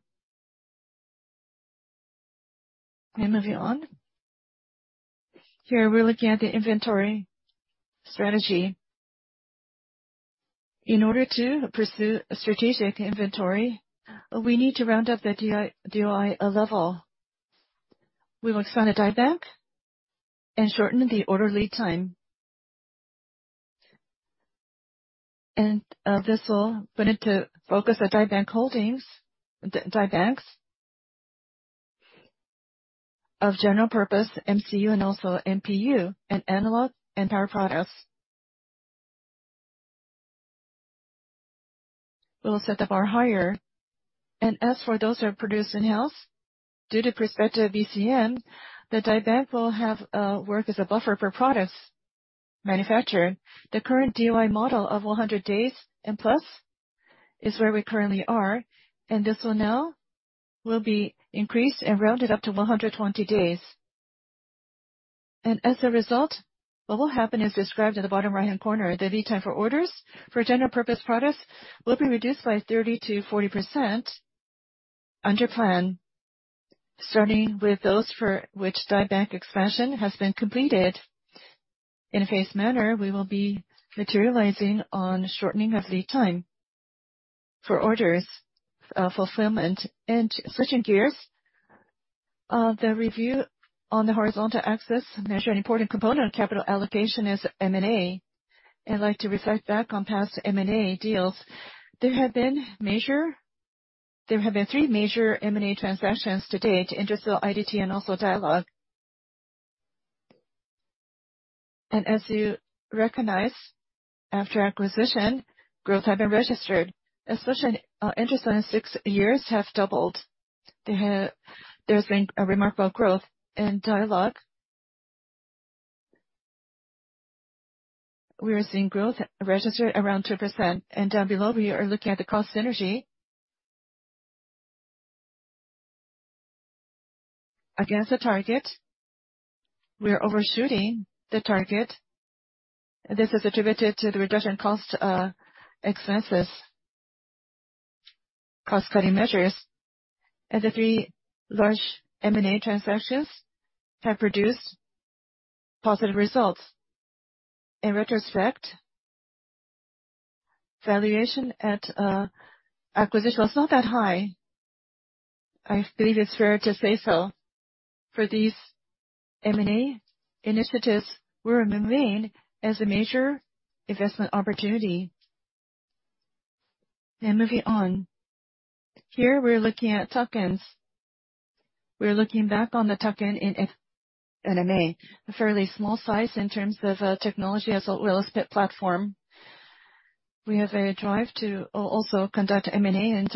[SPEAKER 3] Moving on. Here, we're looking at the inventory strategy. In order to pursue a strategic inventory, we need to round up the DI, DOI level. We will expand the die bank and shorten the order lead time. This will put it to focus on die bank holdings, die banks. Of general purpose, MCU, and also MPU, and analog, and power products. We'll set the bar higher. As for those who are produced in-house, due to prospective BCM, the die bank will have work as a buffer for products manufactured. The current DOI model of 100 days and plus is where we currently are, and this will now will be increased and rounded up to 120 days. As a result, what will happen is described in the bottom right-hand corner. The lead time for orders for general purpose products will be reduced by 30%-40% under plan, starting with those for which die bank expansion has been completed. In a phased manner, we will be materializing on shortening of lead time for orders, fulfillment. Switching gears, the review on the horizontal axis, measuring important component of capital allocation, is M&A. I'd like to reflect back on past M&A deals. There have been three major M&A transactions to date, Intersil, IDT, and also Dialog. As you recognize, after acquisition, growth have been registered, especially Intersil, in six years, have doubled. There's been a remarkable growth in Dialog. We are seeing growth registered around 2%, Down below, we are looking at the cost synergy. Against the target, we are overshooting the target. This is attributed to the reduction cost, expenses, cost-cutting measures, and the three large M&A transactions have produced positive results. In retrospect, valuation at acquisition was not that high. I believe it's fair to say so. For these M&A initiatives, we remain as a major investment opportunity. Moving on. Here, we're looking at tuck-ins. We're looking back on the tuck-in in M&A, a fairly small size in terms of technology as a real estate platform. We have a drive to also conduct M&A and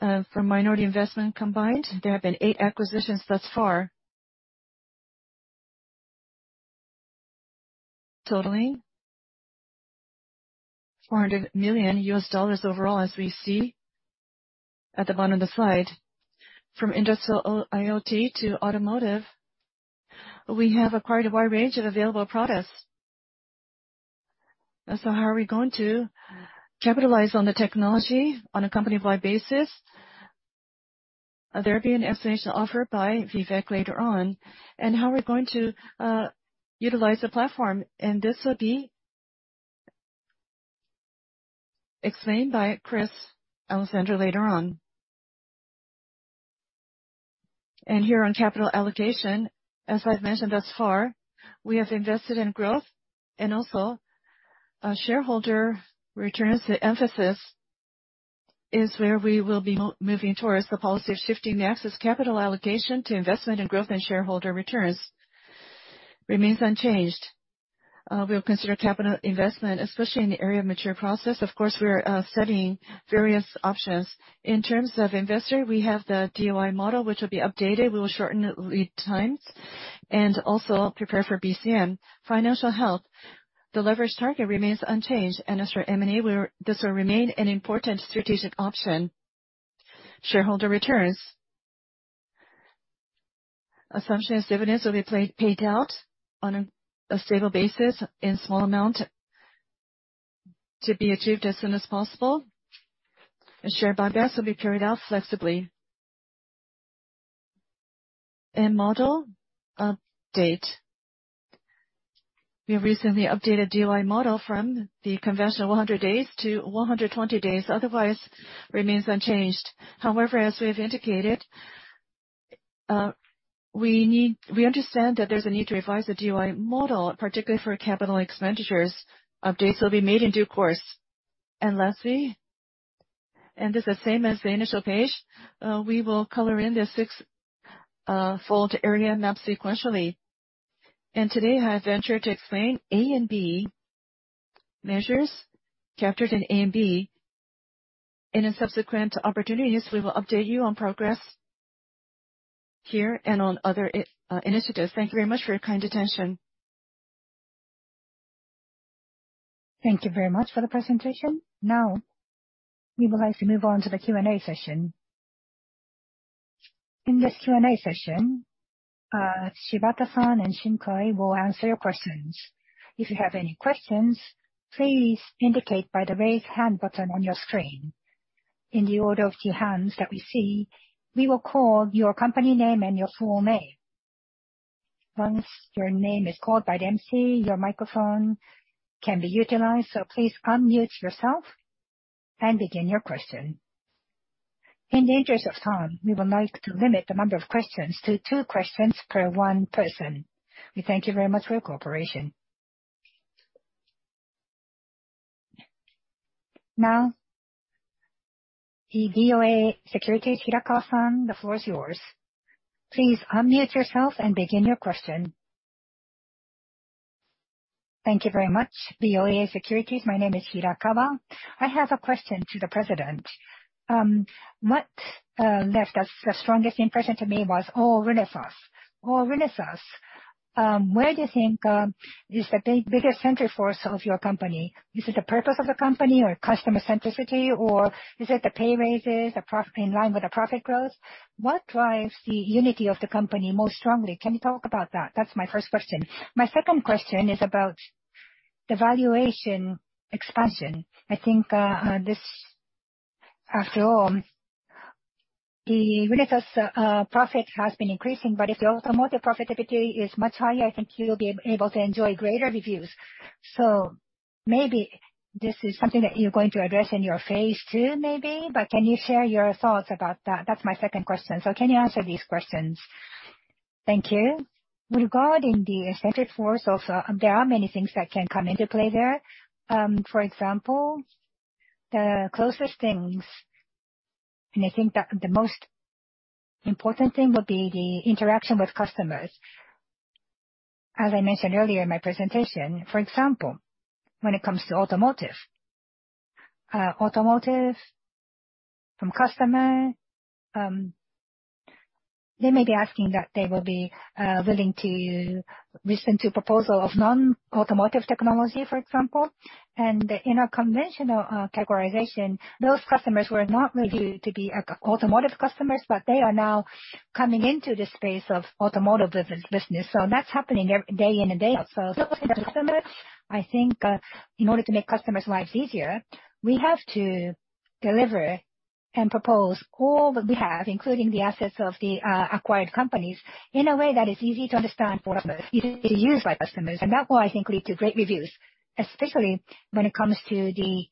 [SPEAKER 3] tuck-ins from minority investment combined. There have been 8 acquisitions thus far, totaling $400 million overall, as we see at the bottom of the slide. From Industrial IoT to automotive, we have acquired a wide range of available products. How are we going to capitalize on the technology on a company-wide basis? There will be an explanation offered by Vivek later on, and how we're going to utilize the platform, and this will be explained by Chris Allexandre later on. Here on capital allocation, as I've mentioned thus far, we have invested in growth and also shareholder returns. The emphasis-... is where we will be moving towards. The policy of shifting the access capital allocation to investment in growth and shareholder returns remains unchanged. We'll consider capital investment, especially in the area of mature process. Of course, we are studying various options. In terms of investor, we have the DOI model, which will be updated. We will shorten lead times and also prepare for BCM. Financial health, the leverage target remains unchanged, and as for M&A, this will remain an important strategic option. Shareholder returns. Assumption of dividends will be paid, paid out on a stable basis in small amount to be achieved as soon as possible, and share buybacks will be carried out flexibly. Model update. We have recently updated DOI model from the conventional 100 days to 120 days, otherwise remains unchanged. However, as we have indicated, we understand that there's a need to revise the DOI model, particularly for capital expenditures. Updates will be made in due course. Lastly, and this is the same as the initial page, we will color in the six fold area map sequentially. Today, I have ventured to explain A and B measures captured in A and B, and in subsequent opportunities, we will update you on progress here and on other initiatives. Thank you very much for your kind attention.
[SPEAKER 1] Thank you very much for the presentation. Now, we would like to move on to the Q&A session. In this Q&A session, Shibata-san and Shinkai will answer your questions. If you have any questions, please indicate by the Raise Hand button on your screen. In the order of the hands that we see, we will call your company name and your full name. Once your name is called by the MC, your microphone can be utilized, so please unmute yourself and begin your question. In the interest of time, we would like to limit the number of questions to two questions per 1 person. We thank you very much for your cooperation. Now, the BofA Securities, Hirakawa-san, the floor is yours. Please unmute yourself and begin your question.
[SPEAKER 4] Thank you very much, BofA Securities. My name is Hirakawa. I have a question to the president. What left the strongest impression to me was all Renesas. All Renesas, where do you think is the biggest center force of your company? Is it the purpose of the company, or customer centricity, or is it the pay raises, the profit in line with the profit growth? What drives the unity of the company most strongly? Can you talk about that? That's my first question. My second question is about the valuation expansion. I think this, after all, the Renesas profit has been increasing, but if the automotive profitability is much higher, I think you'll be able to enjoy greater reviews. Maybe this is something that you're going to address in your phase two, maybe, but can you share your thoughts about that? That's my second question. Can you answer these questions? Thank you.
[SPEAKER 2] Regarding the effective force, also, there are many things that can come into play there. For example, the closest things, and I think the, the most important thing would be the interaction with customers. As I mentioned earlier in my presentation, for example, when it comes to automotive, automotive from customer, they may be asking that they will be willing to listen to proposal of non-automotive technology, for example. In our conventional categorization, those customers were not reviewed to be a automotive customers, but they are now coming into the space of automotive business, business. That's happening every day in and day out. I think, in order to make customers' lives easier, we have to deliver and propose all that we have, including the assets of the acquired companies, in a way that is easy to understand for customers, easy to use by customers. That will, I think, lead to great reviews, especially when it comes to the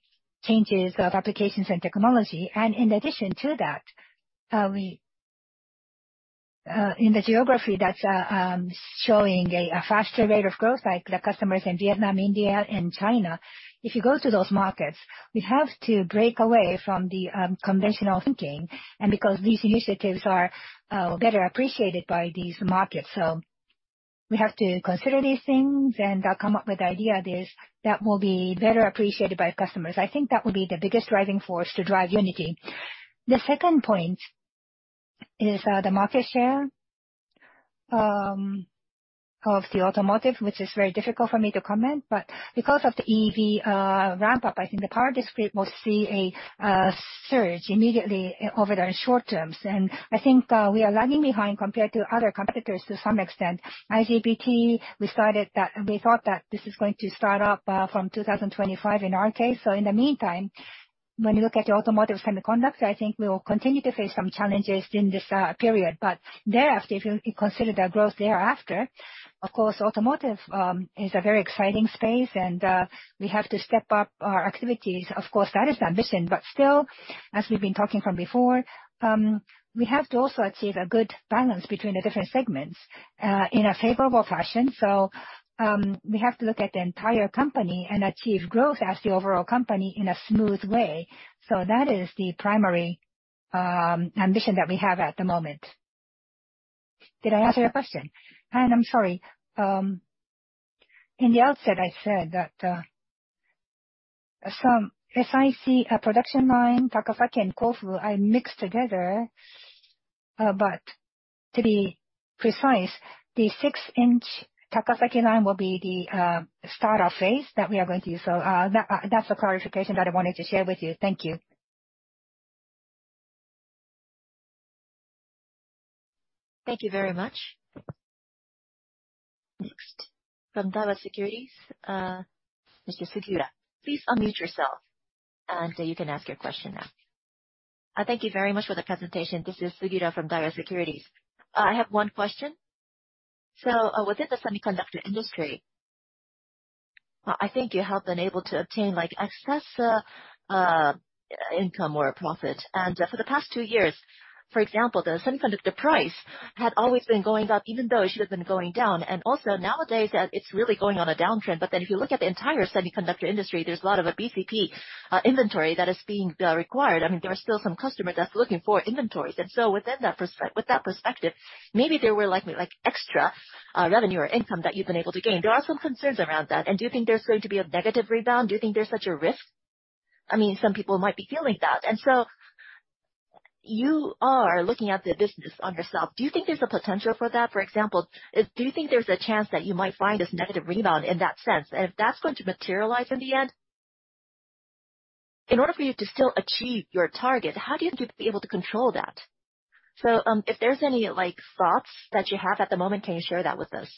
[SPEAKER 2] changes of applications and technology. In addition to that, we in the geography that's showing a faster rate of growth, like the customers in Vietnam, India and China, if you go to those markets, we have to break away from the conventional thinking, and because these initiatives are better appreciated by these markets. We have to consider these things, and I'll come up with the idea this, that will be better appreciated by customers. I think that would be the biggest driving force to drive unity. The second point is the market share of the automotive, which is very difficult for me to comment, but because of the EV ramp up, I think the car discrete will see a surge immediately over the short terms. I think we are lagging behind compared to other competitors to some extent. IGBT, we thought that this is going to start up from 2025 in our case. In the meantime, when you look at the automotive semiconductors, I think we will continue to face some challenges in this period. Thereafter, if you consider the growth thereafter, of course, automotive is a very exciting space, and we have to step up our activities. Of course, that is our mission, still, as we've been talking from before, we have to also achieve a good balance between the different segments in a favorable fashion. We have to look at the entire company and achieve growth as the overall company in a smooth way. That is the primary ambition that we have at the moment.... Did I answer your question? I'm sorry, in the outset, I said that some SIC production line, Takasaki and Kofu are mixed together. To be precise, the 6-inch Takasaki line will be the startup phase that we are going to use. That's a clarification that I wanted to share with you. Thank you.
[SPEAKER 1] Thank you very much. Next, from Daiwa Securities, Mr. Sugiura. Please unmute yourself, and you can ask your question now.
[SPEAKER 5] Thank you very much for the presentation. This is Sugiura from Daiwa Securities. I have one question. Within the semiconductor industry, I think you have been able to obtain, like, excess income or profit. For the past two years, for example, the semiconductor price had always been going up, even though it should have been going down. Also, nowadays, it's really going on a downtrend. If you look at the entire semiconductor industry, there's a lot of BCP inventory that is being required. I mean, there are still some customer that's looking for inventories. Within that perspe- with that perspective, maybe there were like, like, extra revenue or income that you've been able to gain. There are some concerns around that. Do you think there's going to be a negative rebound? Do you think there's such a risk? I mean, some people might be feeling that. You are looking at the business on yourself. Do you think there's a potential for that? For example, do you think there's a chance that you might find this negative rebound in that sense, and if that's going to materialize in the end? In order for you to still achieve your target, how do you think you'd be able to control that? If there's any, like, thoughts that you have at the moment, can you share that with us?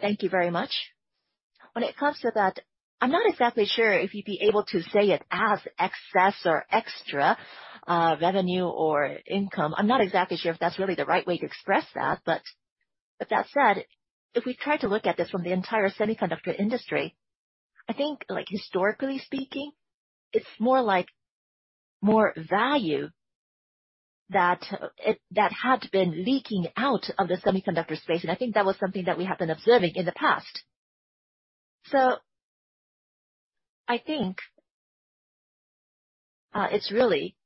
[SPEAKER 2] Thank you very much. When it comes to that, I'm not exactly sure if you'd be able to say it as excess or extra, revenue or income. I'm not exactly sure if that's really the right way to express that, but, with that said, if we try to look at this from the entire semiconductor industry, I think, like, historically speaking, it's more like more value that had been leaking out of the semiconductor space, and I think that was something that we have been observing in the past. I think it's really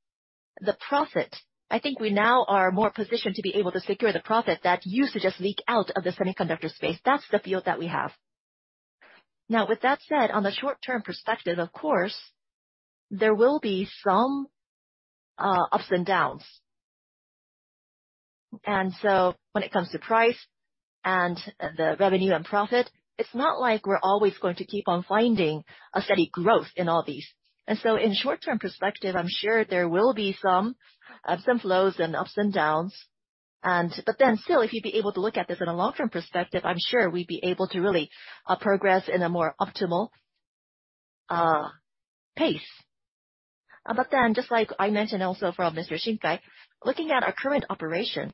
[SPEAKER 2] the profit. I think we now are more positioned to be able to secure the profit that used to just leak out of the semiconductor space. That's the field that we have. Now, with that said, on the short-term perspective, of course, there will be some ups and downs. When it comes to price and the revenue and profit, it's not like we're always going to keep on finding a steady growth in all these. In short-term perspective, I'm sure there will be some flows and ups and downs. Still, if you'd be able to look at this in a long-term perspective, I'm sure we'd be able to really progress in a more optimal pace. Just like I mentioned also from Mr. Shinkai, looking at our current operation,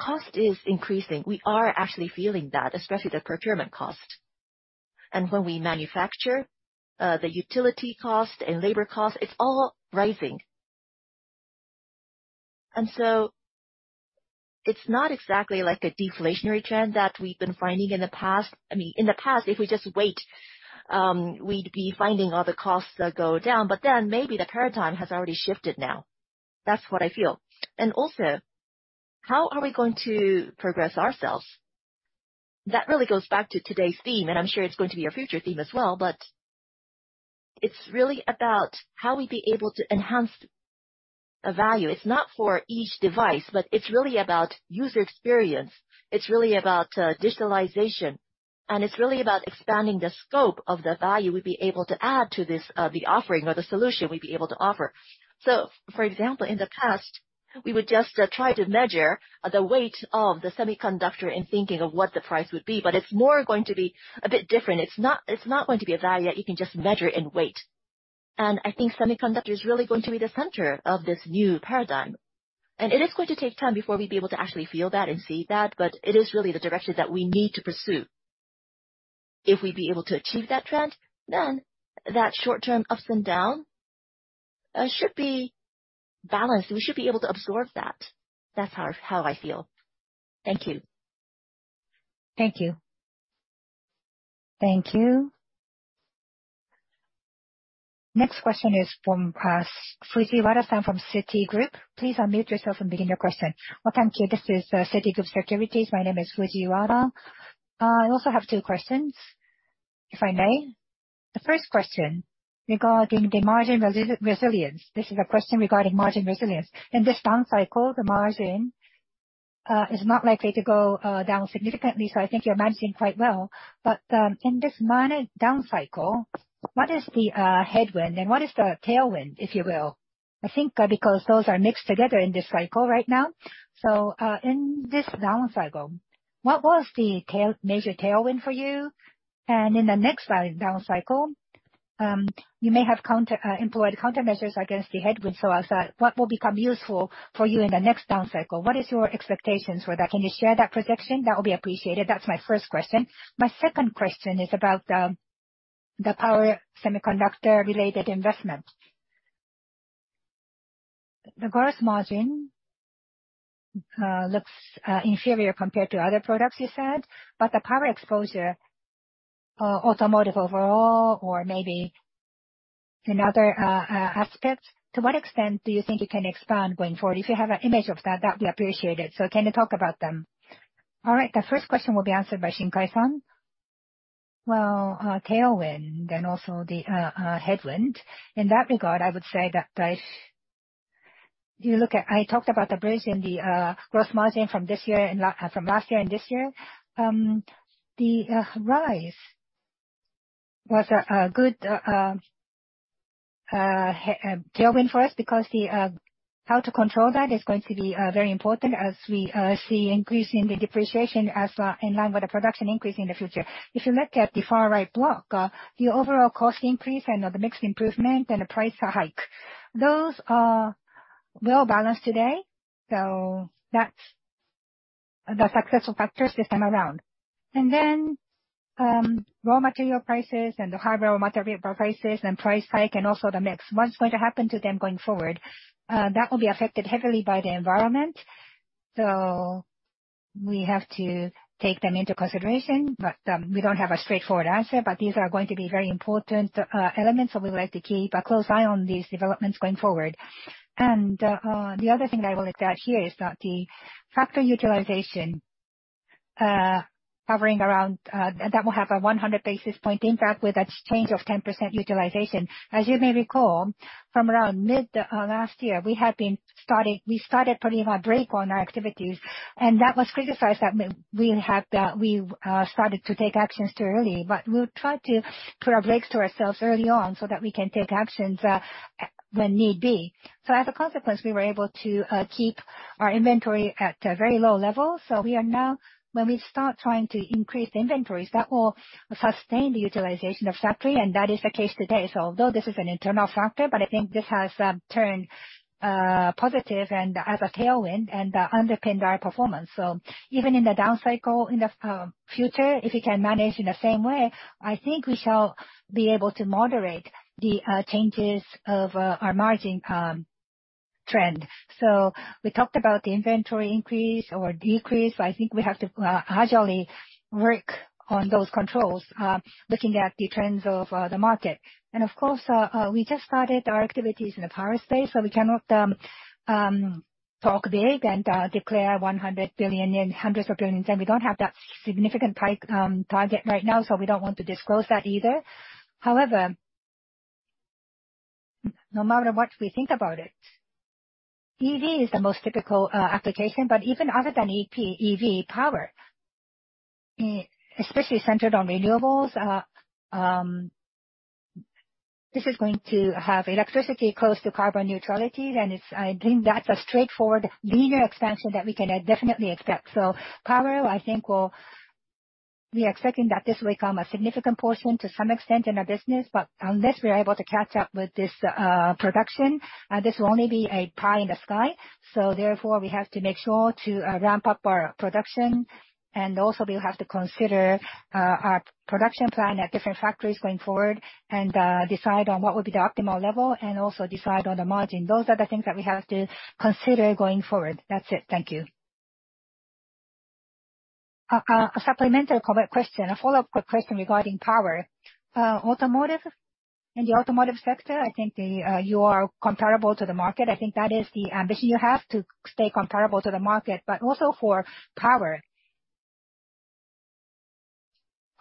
[SPEAKER 2] cost is increasing. We are actually feeling that, especially the procurement cost. When we manufacture, the utility cost and labor cost, it's all rising. It's not exactly like a deflationary trend that we've been finding in the past. I mean, in the past, if we just wait, we'd be finding all the costs that go down, but then maybe the paradigm has already shifted now. That's what I feel. Also, how are we going to progress ourselves? That really goes back to today's theme, and I'm sure it's going to be a future theme as well, but it's really about how we'd be able to enhance the value. It's not for each device, but it's really about user experience, it's really about digitalization, and it's really about expanding the scope of the value we'd be able to add to this, the offering or the solution we'd be able to offer. For example, in the past, we would just try to measure the weight of the semiconductor in thinking of what the price would be, but it's more going to be a bit different. It's not, it's not going to be a value that you can just measure in weight. I think semiconductor is really going to be the center of this new paradigm. It is going to take time before we'd be able to actually feel that and see that, but it is really the direction that we need to pursue. If we'd be able to achieve that trend, then that short-term ups and down should be balanced. We should be able to absorb that. That's how, how I feel. Thank you. Thank you.
[SPEAKER 1] Thank you. Next question is from Fujiwara-san from Citigroup. Please unmute yourself and begin your question.
[SPEAKER 6] Well, thank you. This is Citigroup Securities. My name is Fujiwara. I also have two questions, if I may. The first question regarding the margin resi- resilience. This is a question regarding margin resilience. In this down cycle, the margin is not likely to go down significantly, so I think you're managing quite well. In this minor down cycle, what is the headwind and what is the tailwind, if you will? I think, because those are mixed together in this cycle right now. In this down cycle, what was the tail... major tailwind for you? In the next down cycle, you may have counter employed countermeasures against the headwind, so as what will become useful for you in the next down cycle? What is your expectations for that? Can you share that projection? That will be appreciated. That's my first question. My second question is about the power semiconductor-related investment. The gross margin looks inferior compared to other products you said, but the power exposure, automotive overall, or maybe... Another aspect, to what extent do you think you can expand going forward? If you have an image of that, that'd be appreciated. Can you talk about them?
[SPEAKER 1] All right, the first question will be answered by Shinkai San.
[SPEAKER 3] Well, tailwind and also the headwind. In that regard, I would say that if you look at I talked about the bridge in the growth margin from this year and from last year and this year. The rise was a good tailwind for us, because the how to control that is going to be very important as we see increase in the depreciation as in line with the production increase in the future. If you look at the far right block, the overall cost increase and the mix improvement and the price hike, those are well balanced today, so that's the successful factors this time around. Then, raw material prices and the hardware raw material prices and price hike and also the mix, what's going to happen to them going forward? That will be affected heavily by the environment, so we have to take them into consideration, but we don't have a straightforward answer. These are going to be very important elements, so we would like to keep a close eye on these developments going forward. The other thing I will add here is that the factory utilization hovering around... That will have a 100 basis point impact with a change of 10% utilization. As you may recall, from around mid last year, we had been started-- we started putting a brake on our activities, and that was criticized that we, we have, we started to take actions too early. We'll try to put our brakes to ourselves early on, so that we can take actions when need be. As a consequence, we were able to keep our inventory at a very low level. We are now, when we start trying to increase the inventories, that will sustain the utilization of factory, and that is the case today. Although this is an internal factor, but I think this has turned positive and as a tailwind, and underpinned our performance. Even in the down cycle, in the future, if we can manage in the same way, I think we shall be able to moderate the changes of our margin trend. We talked about the inventory increase or decrease. I think we have to agilely work on those controls, looking at the trends of the market. Of course, we just started our activities in the power space, so we cannot talk big and declare 100 billion and hundreds of billions, and we don't have that significant target right now, so we don't want to disclose that either. No matter what we think about it, EV is the most typical application, but even other than EV power, especially centered on renewables, this is going to have electricity close to carbon neutrality, and it's, I think that's a straightforward, linear expansion that we can definitely expect. Power, I think, will... We are expecting that this will become a significant portion to some extent in our business, but unless we are able to catch up with this production, this will only be a pie in the sky. Therefore, we have to make sure to ramp up our production, and also we'll have to consider our production plan at different factories going forward, and decide on what would be the optimal level, and also decide on the margin. Those are the things that we have to consider going forward. That's it. Thank you.
[SPEAKER 6] A supplemental cover question, a follow-up quick question regarding power. Automotive, in the automotive sector, I think the you are comparable to the market. I think that is the ambition you have, to stay comparable to the market, but also for power.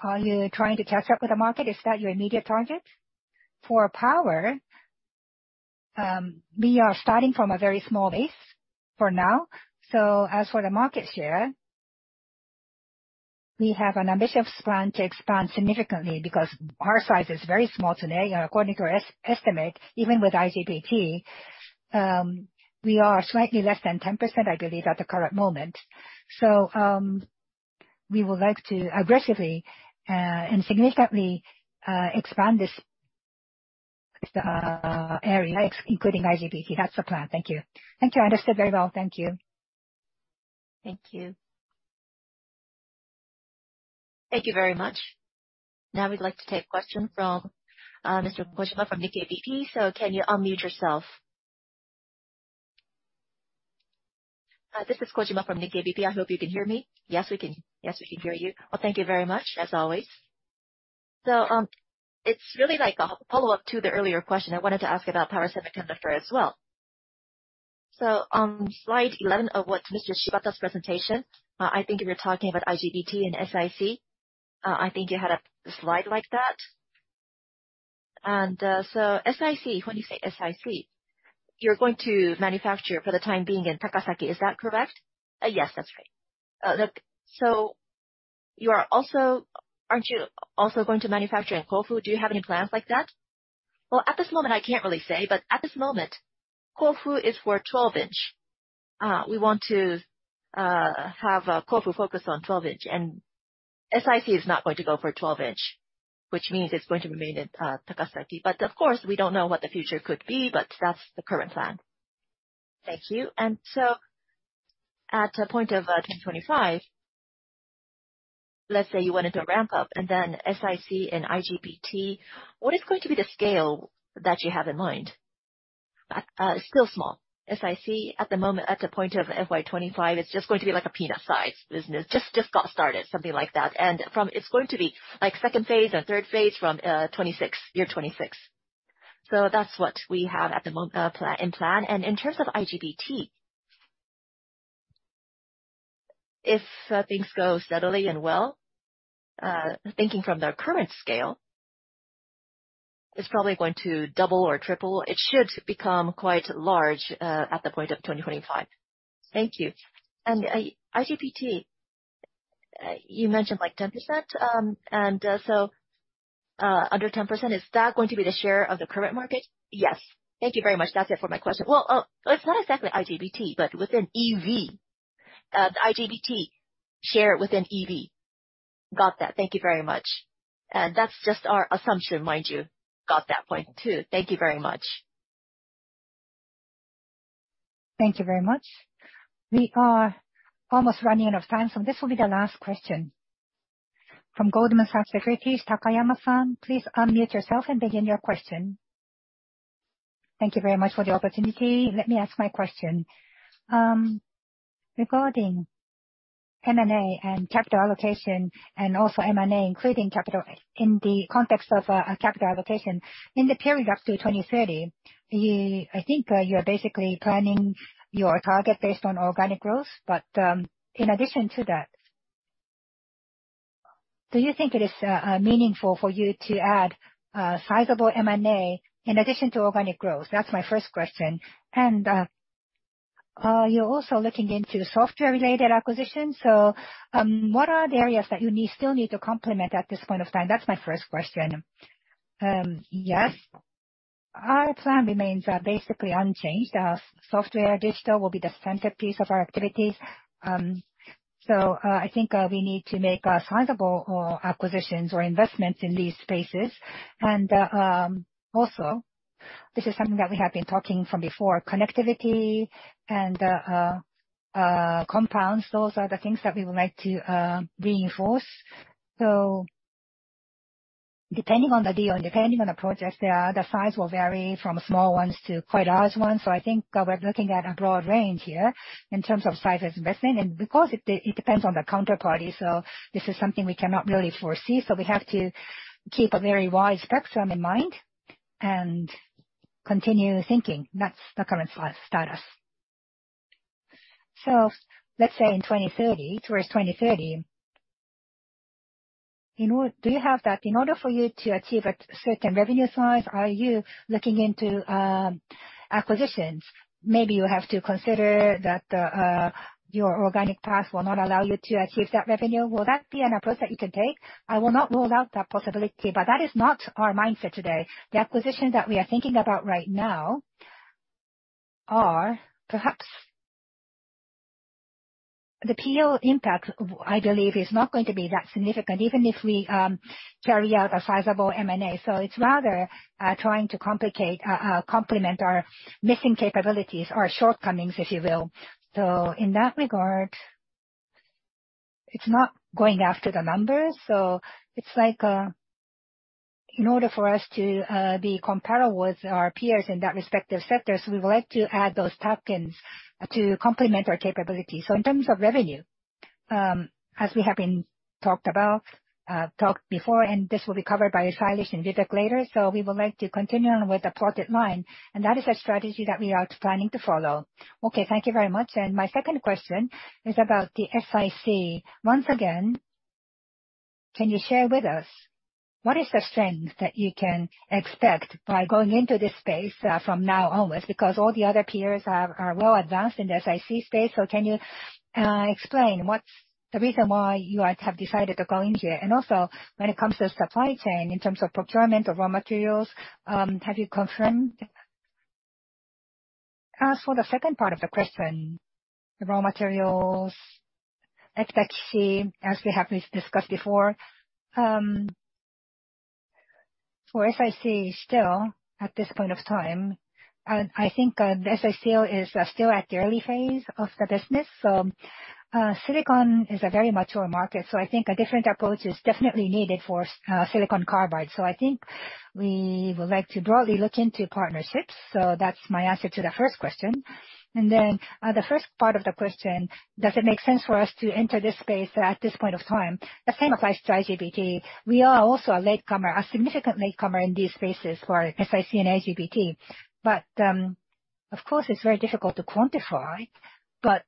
[SPEAKER 6] Are you trying to catch up with the market? Is that your immediate target?
[SPEAKER 2] For power, we are starting from a very small base for now. As for the market share, we have an ambitious plan to expand significantly because our size is very small today. According to our estimate, even with IGBT, we are slightly less than 10%, I believe, at the current moment. We would like to aggressively and significantly expand this area, including IGBT. That's the plan. Thank you.
[SPEAKER 6] Thank you. Understood very well. Thank you.
[SPEAKER 2] Thank you.
[SPEAKER 1] Thank you very much. We'd like to take question from, Mr. Kojima from Nikkei BP. Can you unmute yourself?
[SPEAKER 7] This is Kojima from Nikkei BP. I hope you can hear me.
[SPEAKER 2] Yes, we can. Yes, we can hear you.
[SPEAKER 7] Well, thank you very much, as always. It's really like a follow-up to the earlier question. I wanted to ask about power semiconductor as well. On slide 11 of what, Mr. Shibata's presentation, I think you were talking about IGBT and SiC. I think you had a slide like that. SiC, when you say SiC, you're going to manufacture for the time being in Takasaki, is that correct?
[SPEAKER 2] Yes, that's right.
[SPEAKER 7] Look, aren't you also going to manufacture in Kofu? Do you have any plans like that?
[SPEAKER 2] Well, at this moment, I can't really say. At this moment, Kofu is for 12 inch. We want to have Kofu focus on 12 inch. SIC is not going to go for 12 inch, which means it's going to remain in Takasaki. Of course, we don't know what the future could be, but that's the current plan.
[SPEAKER 7] Thank you. So at a point of 2025, let's say you wanted to ramp up, then SiC and IGBT, what is going to be the scale that you have in mind?...
[SPEAKER 2] still small. As I see at the moment, at the point of FY 2025, it's just going to be like a peanut-sized business, just, just got started, something like that. It's going to be like second phase and third phase from 2026, year 2026. That's what we have at the plan, in plan. In terms of IGBT, if things go steadily and well, thinking from the current scale, it's probably going to double or triple. It should become quite large at the point of 2025.
[SPEAKER 7] Thank you. IGBT, you mentioned like 10%, and so, under 10%, is that going to be the share of the current market?
[SPEAKER 2] Yes.
[SPEAKER 6] Thank you very much. That's it for my question.
[SPEAKER 2] Well, it's not exactly IGBT, but within EV, the IGBT share within EV.
[SPEAKER 6] Got that. Thank you very much.
[SPEAKER 2] That's just our assumption, mind you.
[SPEAKER 6] Got that point, too. Thank you very much.
[SPEAKER 1] Thank you very much. We are almost running out of time, so this will be the last question. From Goldman Sachs, Daiki Takayama-san, please unmute yourself and begin your question.
[SPEAKER 8] Thank you very much for the opportunity. Let me ask my question. Regarding M&A and capital allocation, and also M&A, including capital in the context of capital allocation. In the period up to 2030, I think you're basically planning your target based on organic growth, but in addition to that, do you think it is meaningful for you to add sizable M&A in addition to organic growth? That's my first question. You're also looking into software-related acquisitions, so what are the areas that you need, still need to complement at this point of time? That's my first question.
[SPEAKER 2] Yes. Our plan remains basically unchanged. Software, digital will be the centerpiece of our activities. I think we need to make sizable acquisitions or investments in these spaces. Also, this is something that we have been talking from before, connectivity and compounds, those are the things that we would like to reinforce. Depending on the deal and depending on the project, the size will vary from small ones to quite large ones. I think we're looking at a broad range here in terms of size investment, and because it, it depends on the counterparty, so this is something we cannot really foresee, so we have to keep a very wide spectrum in mind and continue thinking. That's the current status.
[SPEAKER 8] Let's say in 2030, towards 2030, in order... Do you have that, in order for you to achieve a certain revenue size, are you looking into acquisitions? Maybe you have to consider that, your organic path will not allow you to achieve that revenue. Will that be an approach that you can take?
[SPEAKER 2] I will not rule out that possibility, but that is not our mindset today. The acquisitions that we are thinking about right now are perhaps... The PL impact, I believe, is not going to be that significant, even if we carry out a sizable M&A. It's rather trying to complicate, complement our missing capabilities or shortcomings, if you will. In that regard, it's not going after the numbers. It's like, in order for us to be comparable with our peers in that respective sectors, we would like to add those tap-ins to complement our capabilities. In terms of revenue, as we have been talked about, talked before, and this will be covered by Sailesh and Vivek later, we would like to continue on with the plotted line, and that is a strategy that we are planning to follow.
[SPEAKER 8] Okay, thank you very much. My second question is about the SiC. Once again, can you share with us, what is the strength that you can expect by going into this space from now onwards? Because all the other peers are well advanced in the SiC space, can you explain what's the reason why you have decided to go in here? Also, when it comes to supply chain, in terms of procurement of raw materials, have you confirmed?
[SPEAKER 2] As for the second part of the question, the raw materials, as you see, as we have discussed before, for SiC, still, at this point of time, I think, the SiC is still at the early phase of the business. Silicon is a very mature market, so I think a different approach is definitely needed for silicon carbide. I think we would like to broadly look into partnerships, that's my answer to the first question. The first part of the question, does it make sense for us to enter this space at this point of time? The same applies to IGBT. We are also a latecomer, a significant latecomer in these spaces for SiC and IGBT. Of course, it's very difficult to quantify, but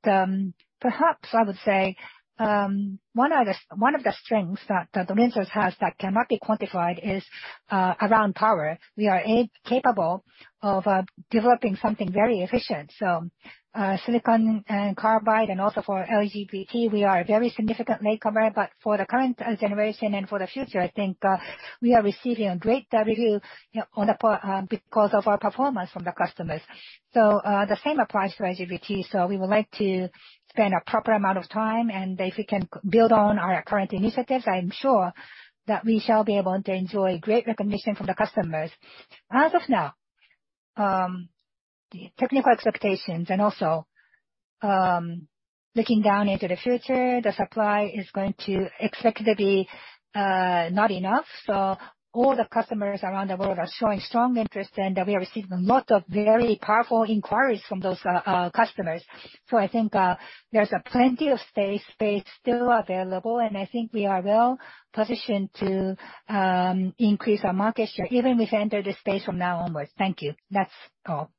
[SPEAKER 2] perhaps I would say one of the, one of the strengths that Renesas has that cannot be quantified is around power. We are capable of developing something very efficient. Silicon and carbide, and also for IGBT, we are a very significant latecomer, but for the current generation and for the future, I think, we are receiving a great review because of our performance from the customers. The same applies to IGBT, so we would like to spend a proper amount of time, and if we can build on our current initiatives, I'm sure that we shall be able to enjoy great recognition from the customers. As of now, the technical expectations and also-... Looking down into the future, the supply is going to expected to be not enough. All the customers around the world are showing strong interest, and we are receiving a lot of very powerful inquiries from those customers. I think there's a plenty of space, space still available, and I think we are well positioned to increase our market share, even if we enter the space from now onwards. Thank you. That's all.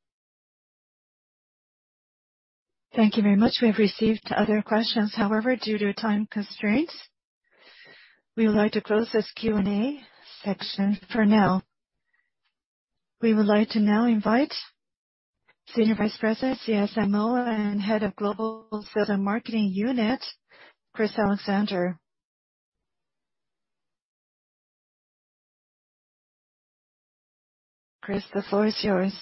[SPEAKER 1] Thank you very much. We have received other questions. However, due to time constraints, we would like to close this Q&A section for now. We would like to now invite Senior Vice President, CSMO, and Head of Global Sales and Marketing Unit, Chris Allexandre. Chris, the floor is yours.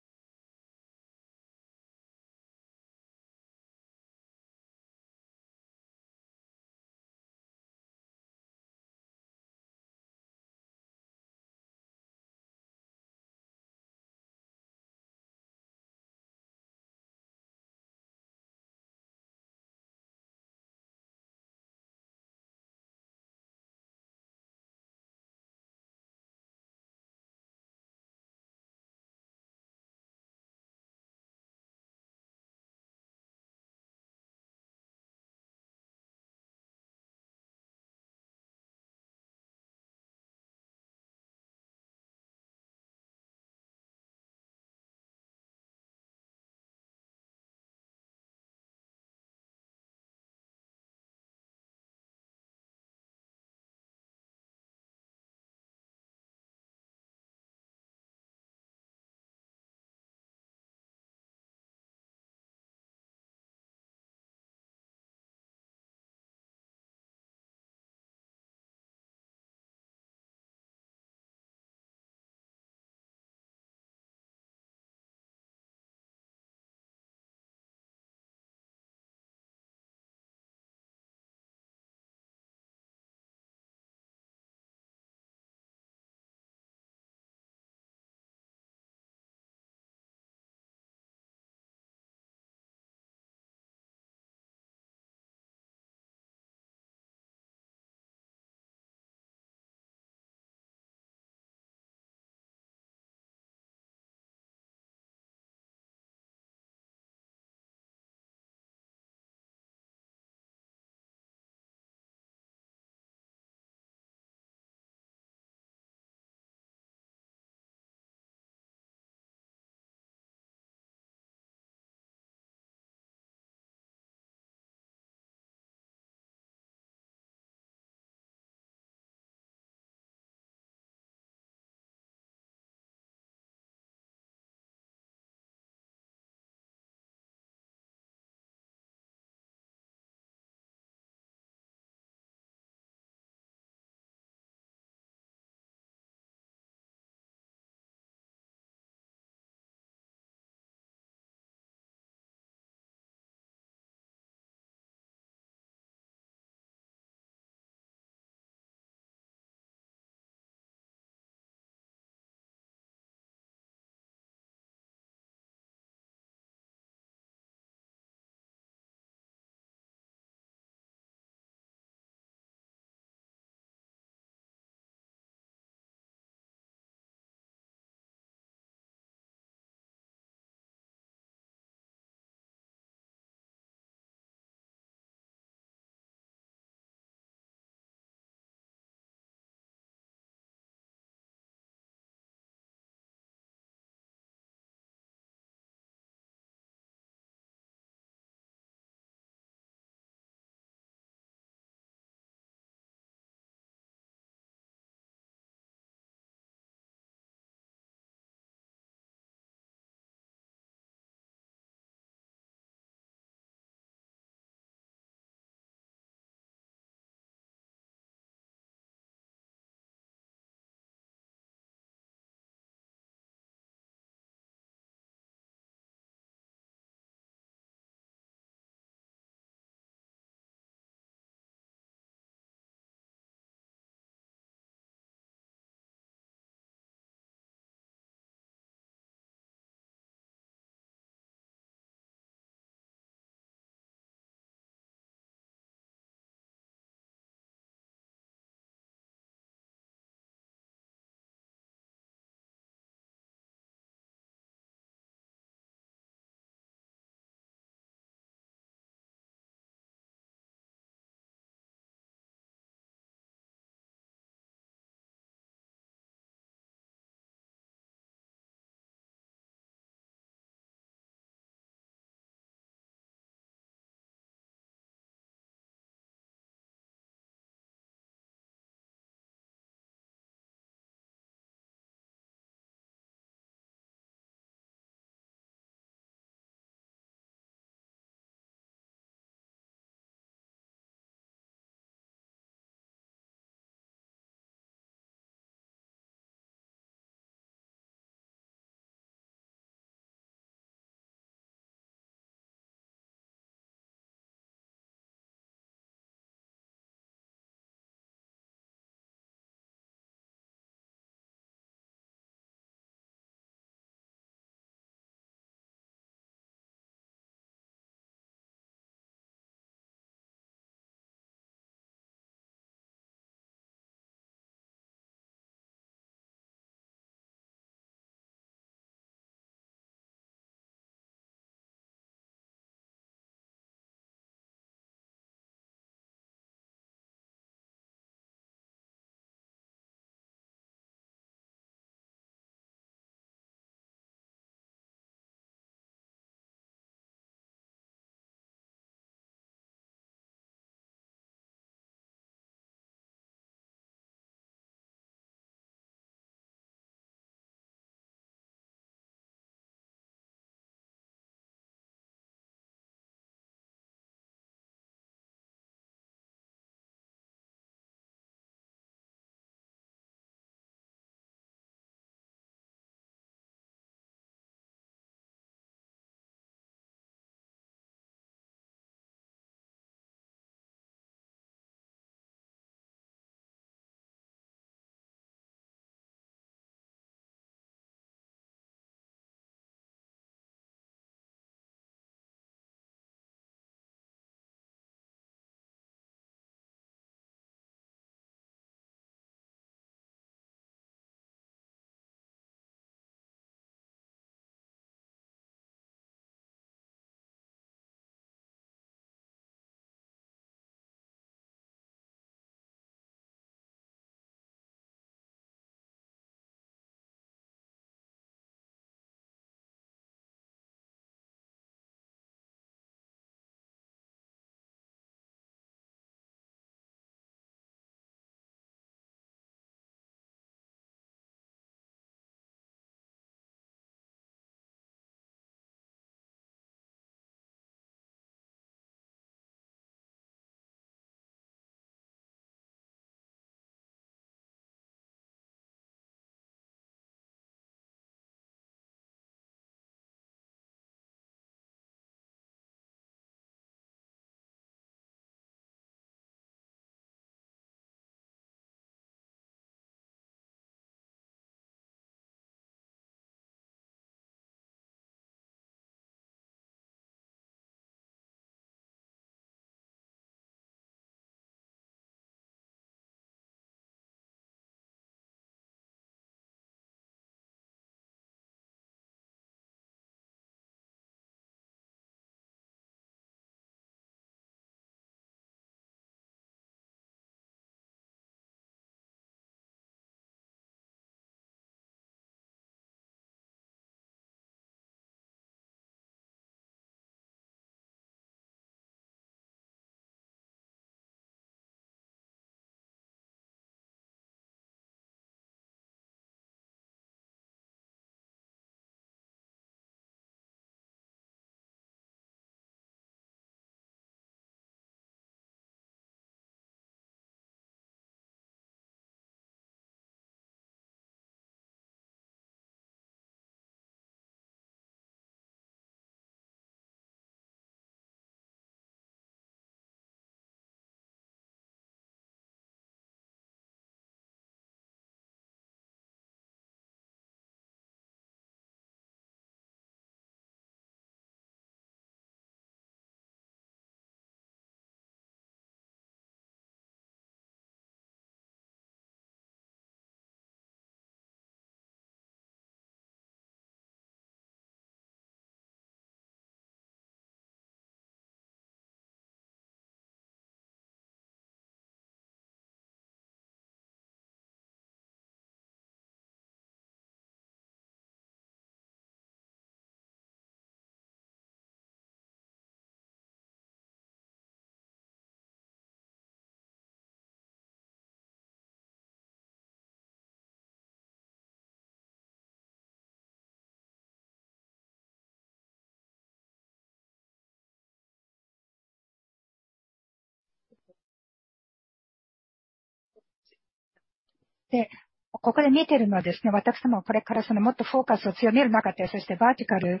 [SPEAKER 9] で、ここで見てるのはですね、私どもこれからそのもっとフォーカスを強める中で、そしてバーティカル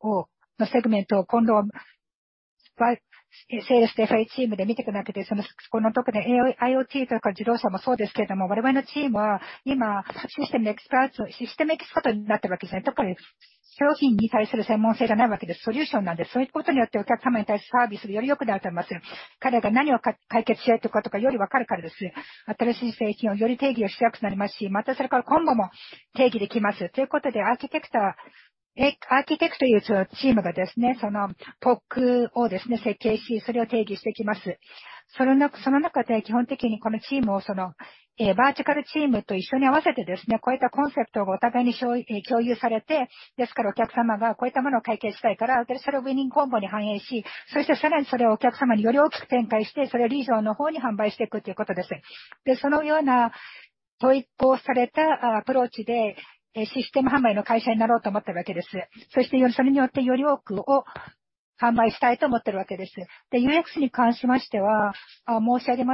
[SPEAKER 9] を、のセグメントを今度、わ、セールスで FA チームで見ていく中で、そのこの特に IoT とか自動車もそうですけれども、我々のチームは今、システムのエキスパート、システムエキスパートになってるわけですね。特に商品に対する専門性がないわけです。ソリューションなんで。そういったことによって、お客様に対するサービスがより良くなると思います。彼が何を解決したいとかとか、よりわかるからですね。新しい製品をより定義をしやすくなりますし、またそれから今後も定義できます。ということで、アーキテクトは、アーキテクトいうチームがですね、その PoC をですね、設計し、それを定義していきます。...その中、その中で基本的にこのチームをそのバーティカルチームと一緒に合わせてですね、こういったコンセプトをお互いに共有されて、ですから、お客様がこういったものを解決したいから、それをウィニングコンボに反映し、そしてさらにそれをお客様により大きく展開して、それをリージョンの方に販売していくということです。で、そのような統一されたアプローチでシステム販売の会社になろうと思ってるわけです。そして、それによってより多くを販売したいと思ってるわけです。で、UX に関しましては、申し上げ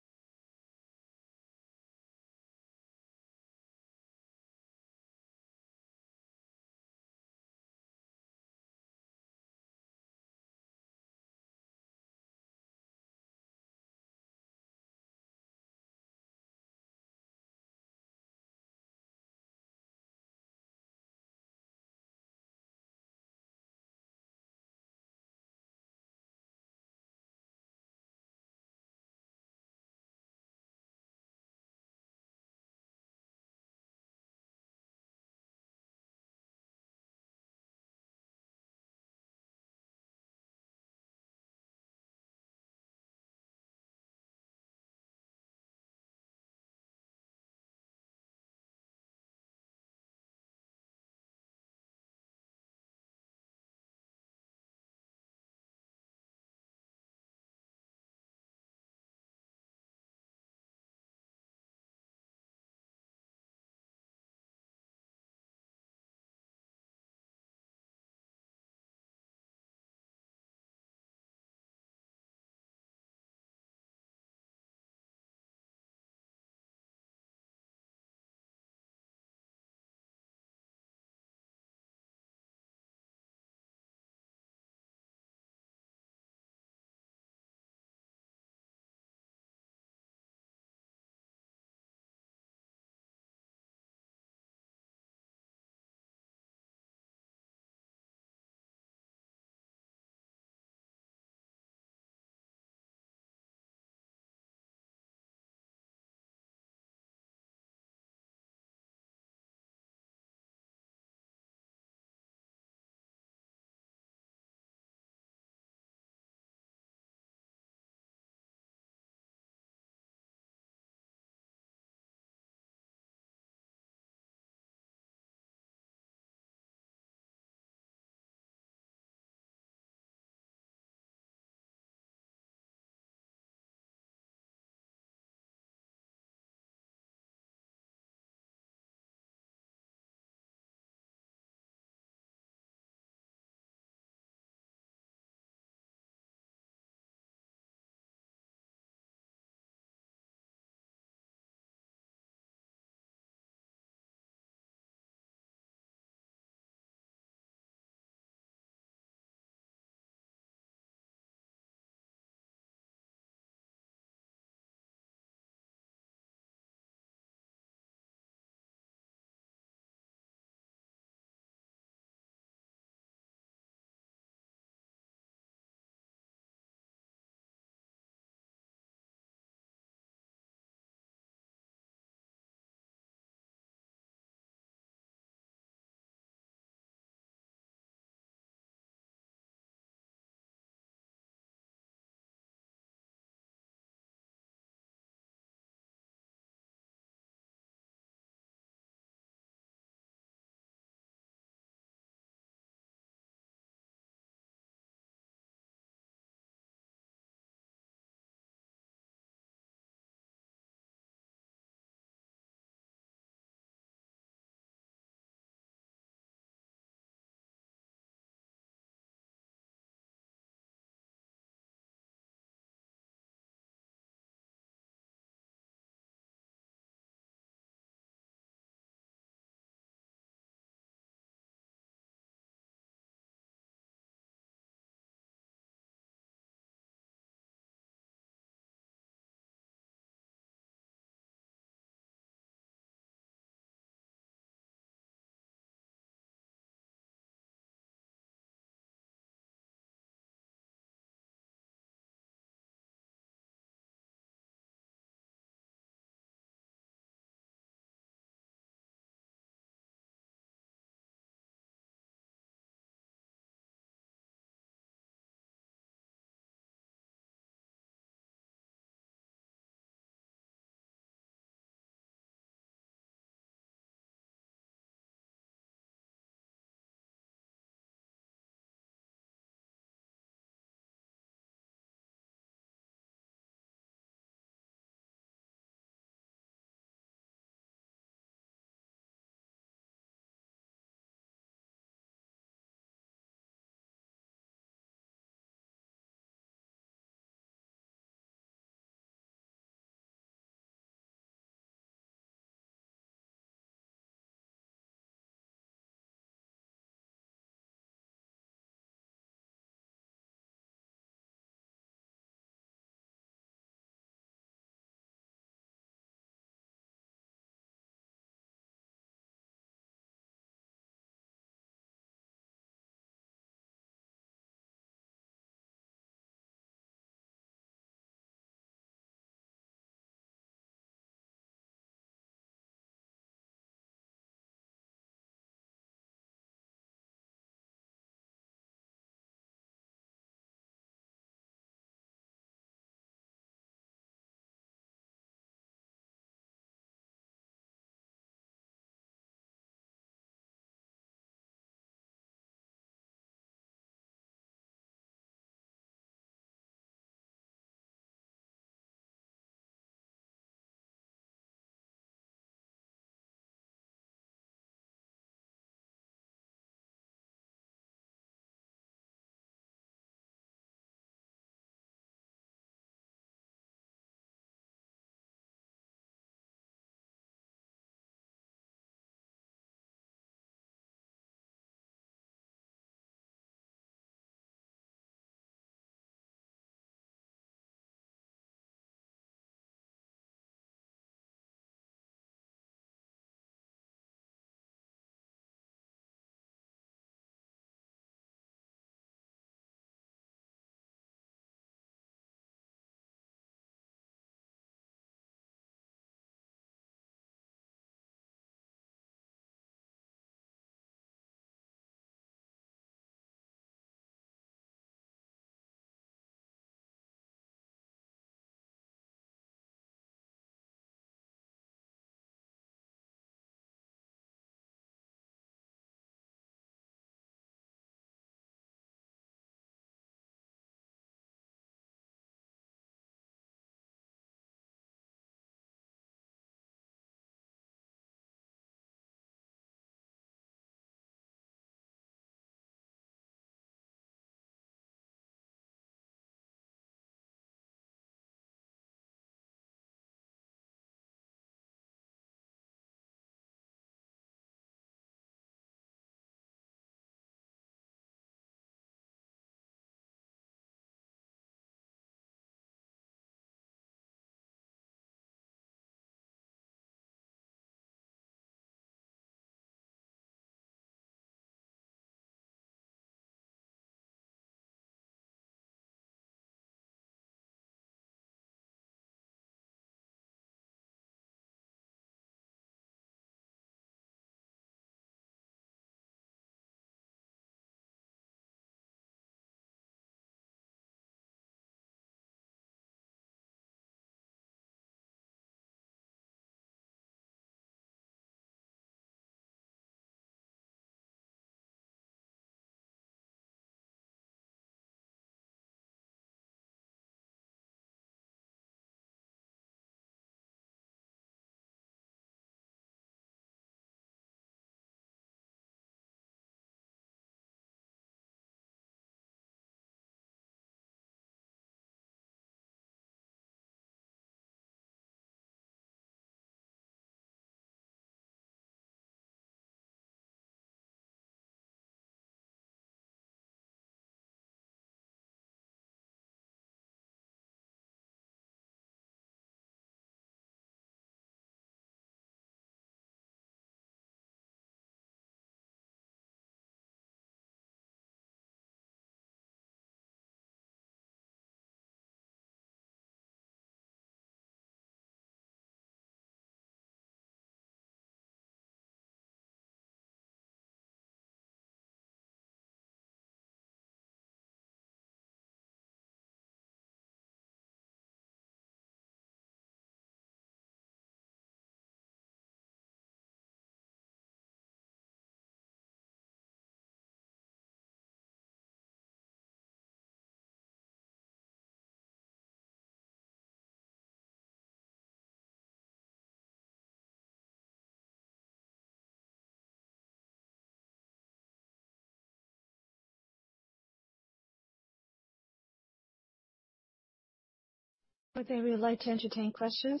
[SPEAKER 9] ましたけども、あ。
[SPEAKER 1] Okay, we would like to entertain questions.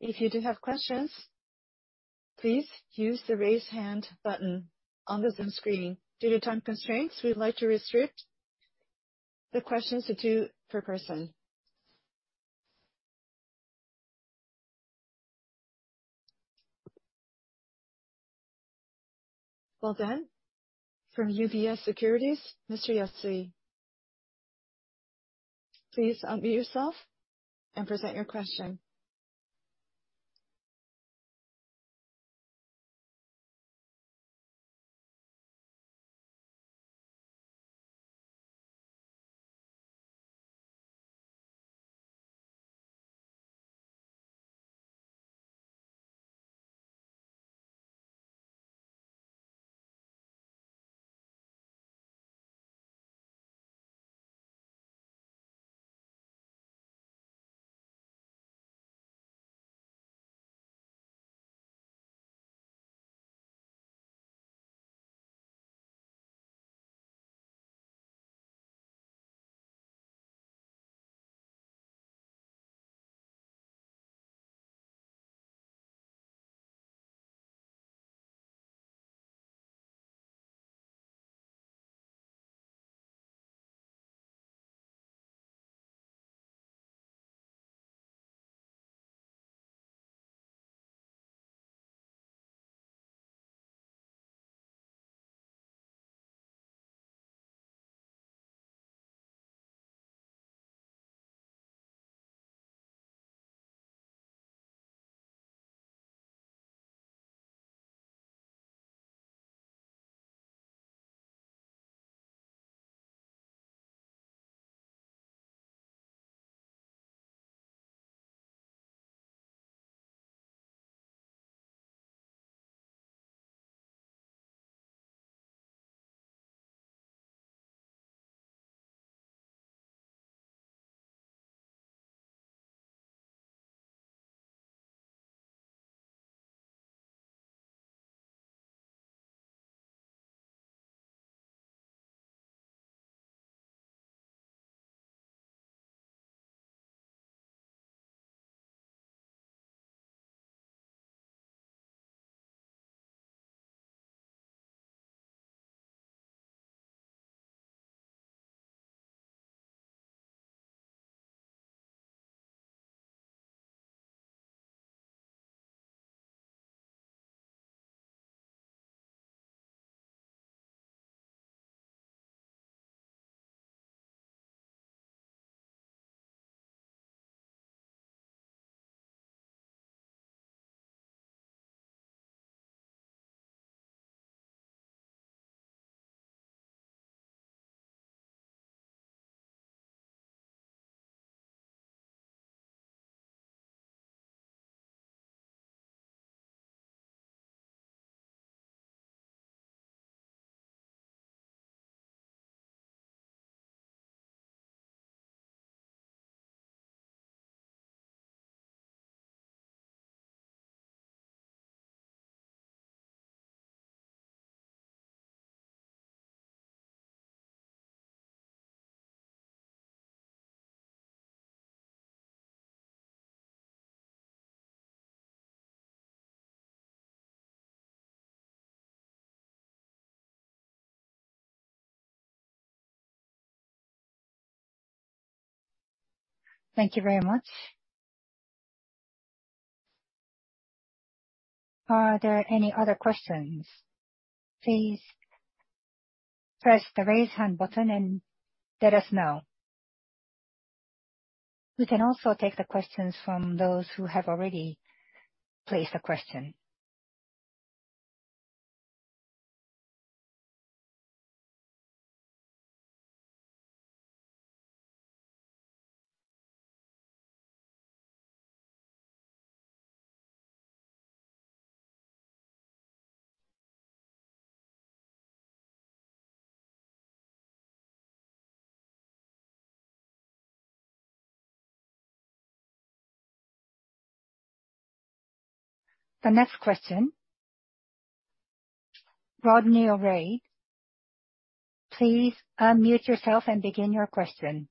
[SPEAKER 1] If you do have questions, please use the Raise Hand button on the Zoom screen. Due to time constraints, we'd like to restrict the questions to 2 per person. Well, from UBS Securities, Mr. Yasui. Please unmute yourself and present your question. The next question, Rodney Array, please unmute yourself and begin your question.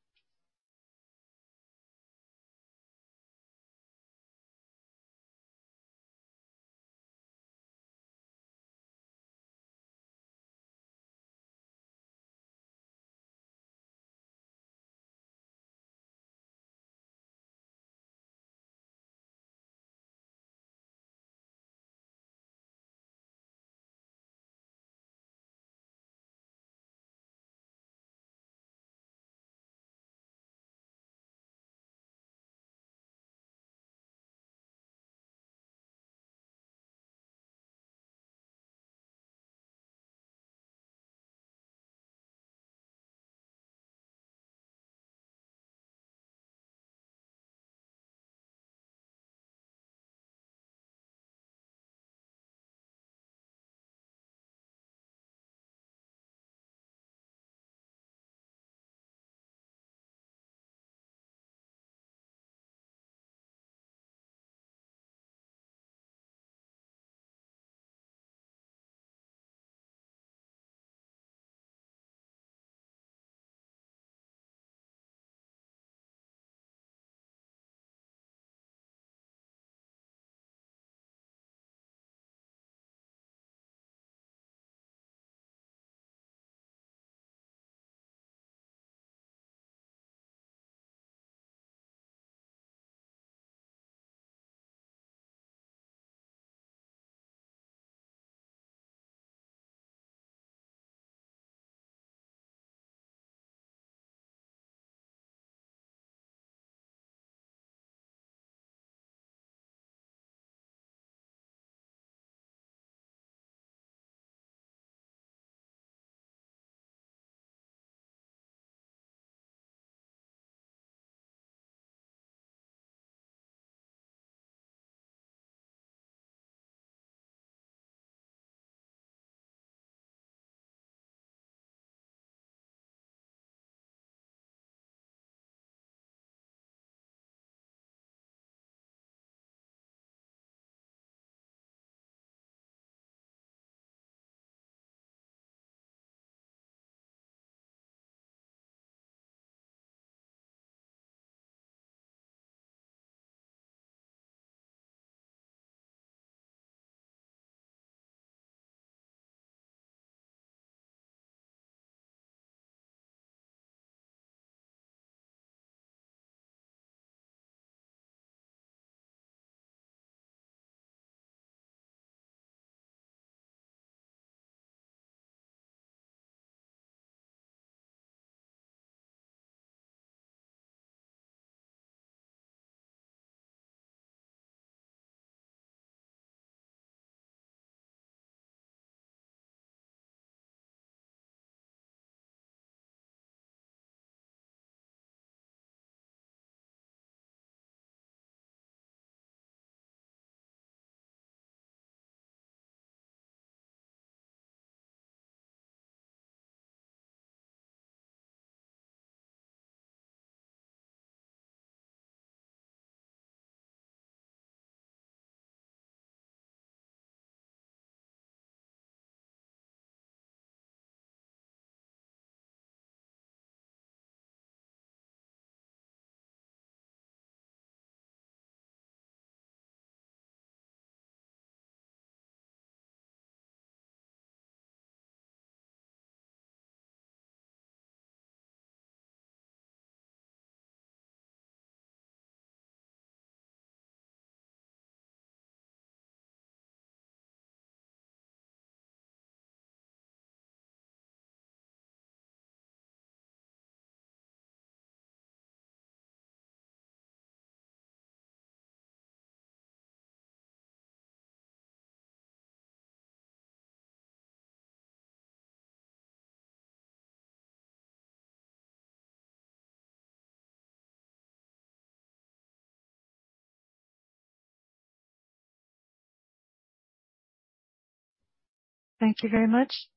[SPEAKER 1] Thank you very much.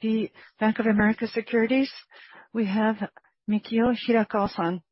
[SPEAKER 1] The Bank of America Securities, we have Mikio Hirakawa San.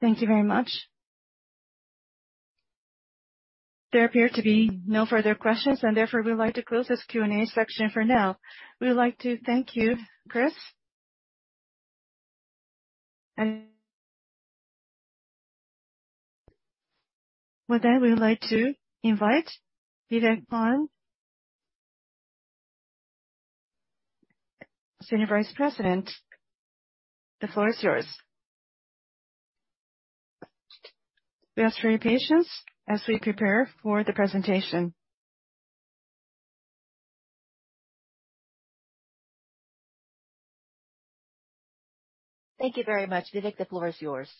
[SPEAKER 1] Thank you very much. There appear to be no further questions, and therefore, we would like to close this Q&A section for now. We would like to thank you, Chris. With that, we would like to invite Vivek Bhan, Senior Vice President. The floor is yours. We ask for your patience as we prepare for the presentation. Thank you very much, Vivek. The floor is yours.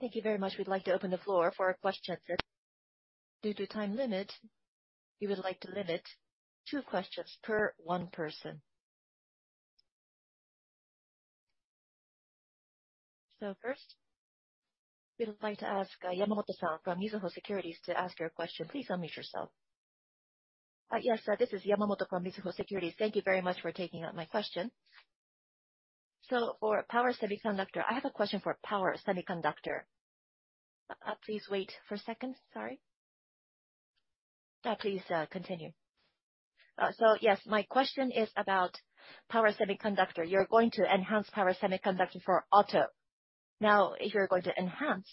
[SPEAKER 1] Thank you very much. We'd like to open the floor for our question. Due to time limit, we would like to limit 2 questions per 1 person. First, we would like to ask Yamamoto-san from Mizuho Securities to ask your question. Please unmute yourself.
[SPEAKER 10] Yes, this is Yamamoto from Mizuho Securities. Thank you very much for taking my question. For power semiconductor, I have a question for power semiconductor. Please wait for 1 second. Sorry. Please continue. Yes, my question is about power semiconductor. You're going to enhance power semiconductor for auto. Now, if you're going to enhance,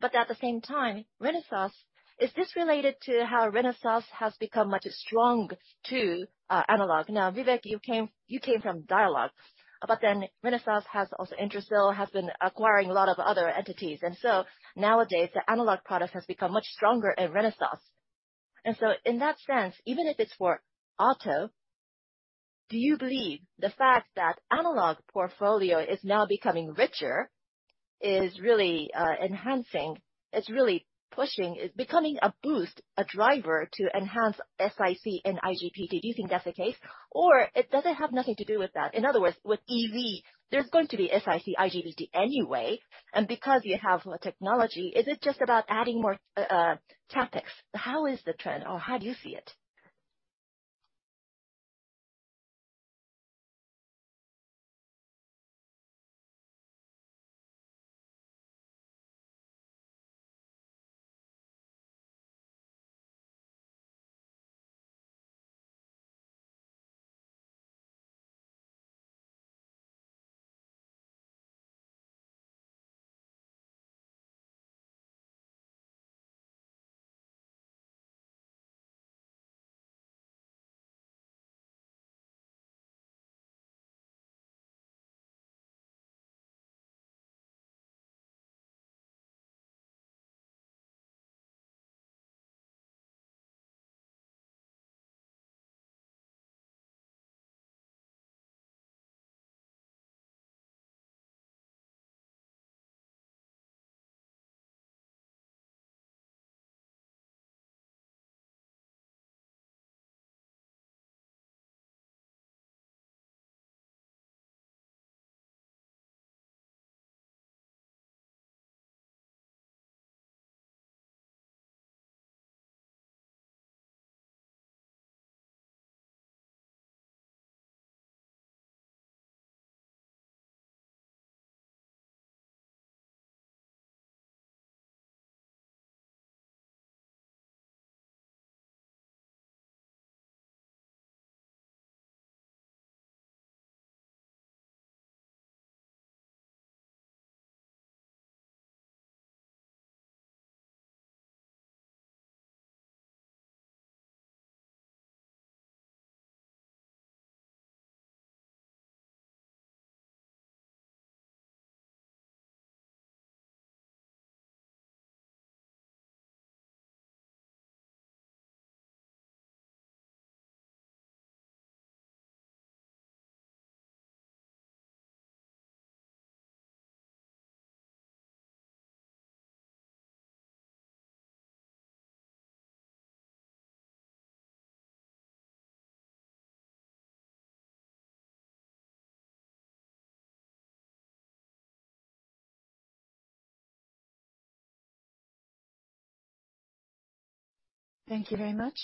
[SPEAKER 10] but at the same time, Renesas, is this related to how Renesas has become much strong to analog? Vivek, you came, you came from Dialog, but Renesas has also Intersil, has been acquiring a lot of other entities. nowadays, the analog product has become much stronger in Renesas. in that sense, even if it's for auto, do you believe the fact that analog portfolio is now becoming richer, is really enhancing, is really pushing, is becoming a boost, a driver, to enhance SIC and IGBT? Do you think that's the case, or it doesn't have nothing to do with that? In other words, with EV, there's going to be SIC, IGBT anyway, because you have the technology, is it just about adding more topics? How is the trend, or how do you see it?
[SPEAKER 1] Thank you very much.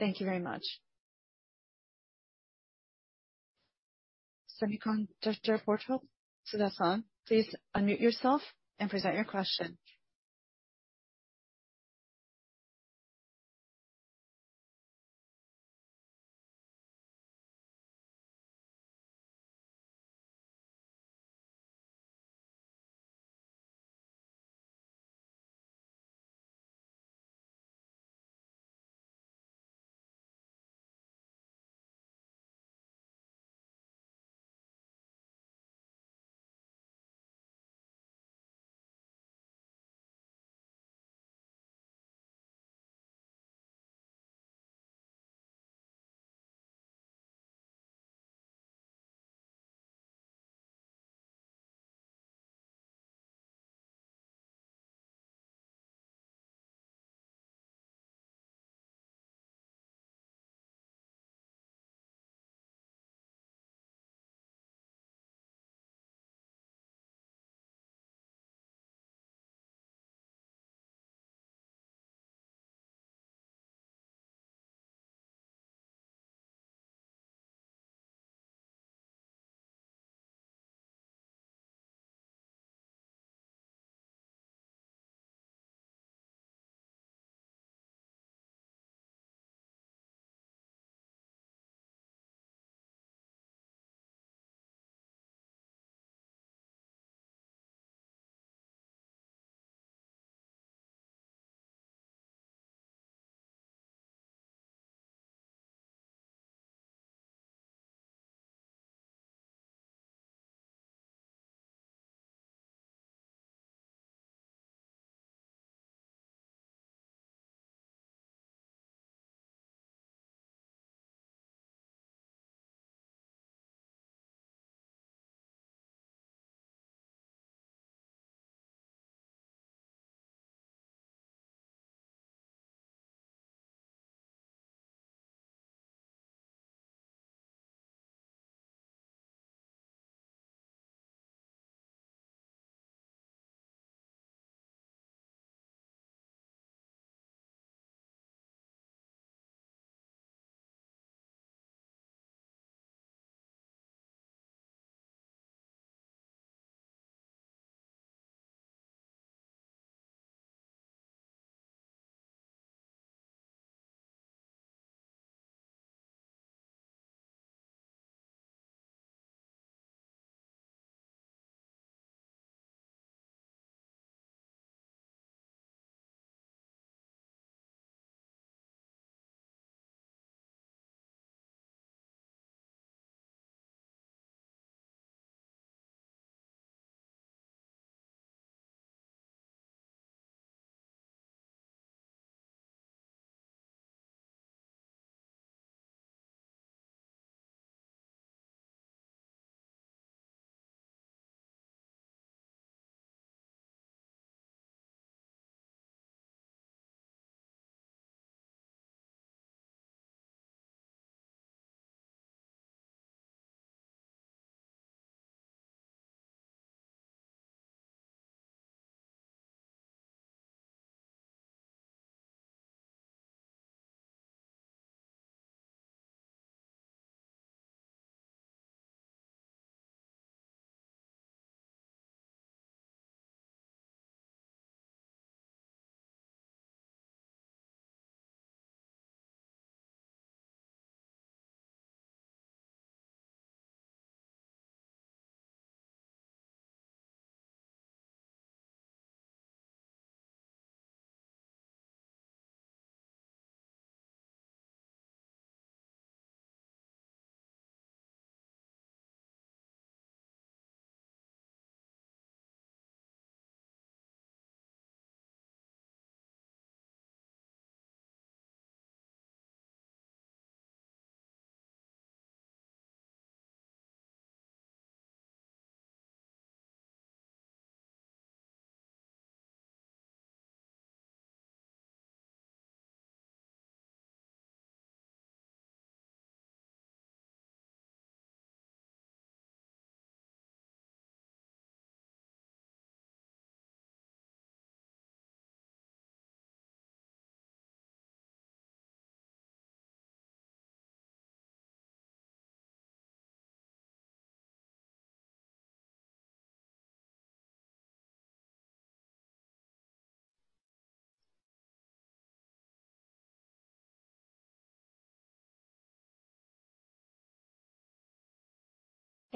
[SPEAKER 1] Semiconductor Portal, that's on. Please unmute yourself and present your question.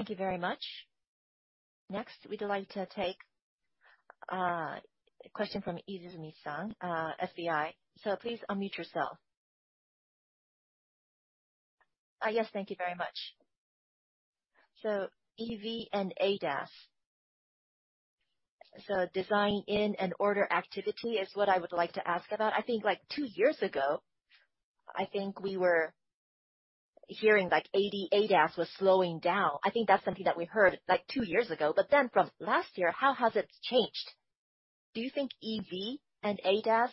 [SPEAKER 1] Thank you very much. Next, we'd like to take a question from Izumi San, SBI. Please unmute yourself.
[SPEAKER 11] Yes, thank you very much. EV and ADAS. Design-in and order activity is what I would like to ask about. I think like 2 years ago, I think we were hearing like ADAS was slowing down. I think that's something that we heard like 2 years ago, from last year, how has it changed? Do you think EV and ADAS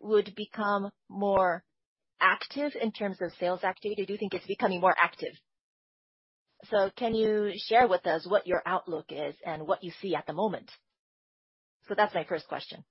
[SPEAKER 11] would become more active in terms of sales activity? Do you think it's becoming more active? Can you share with us what your outlook is and what you see at the moment? That's my first question.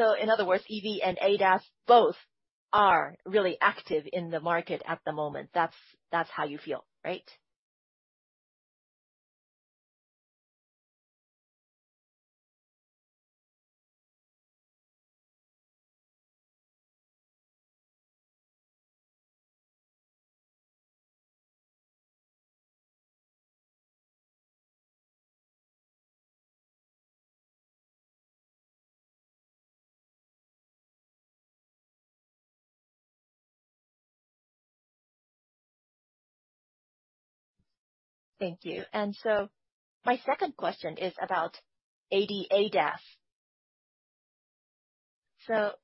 [SPEAKER 11] In other words, EV and ADAS both are really active in the market at the moment. That's, that's how you feel, right? Thank you. My second question is about AD ADAS. The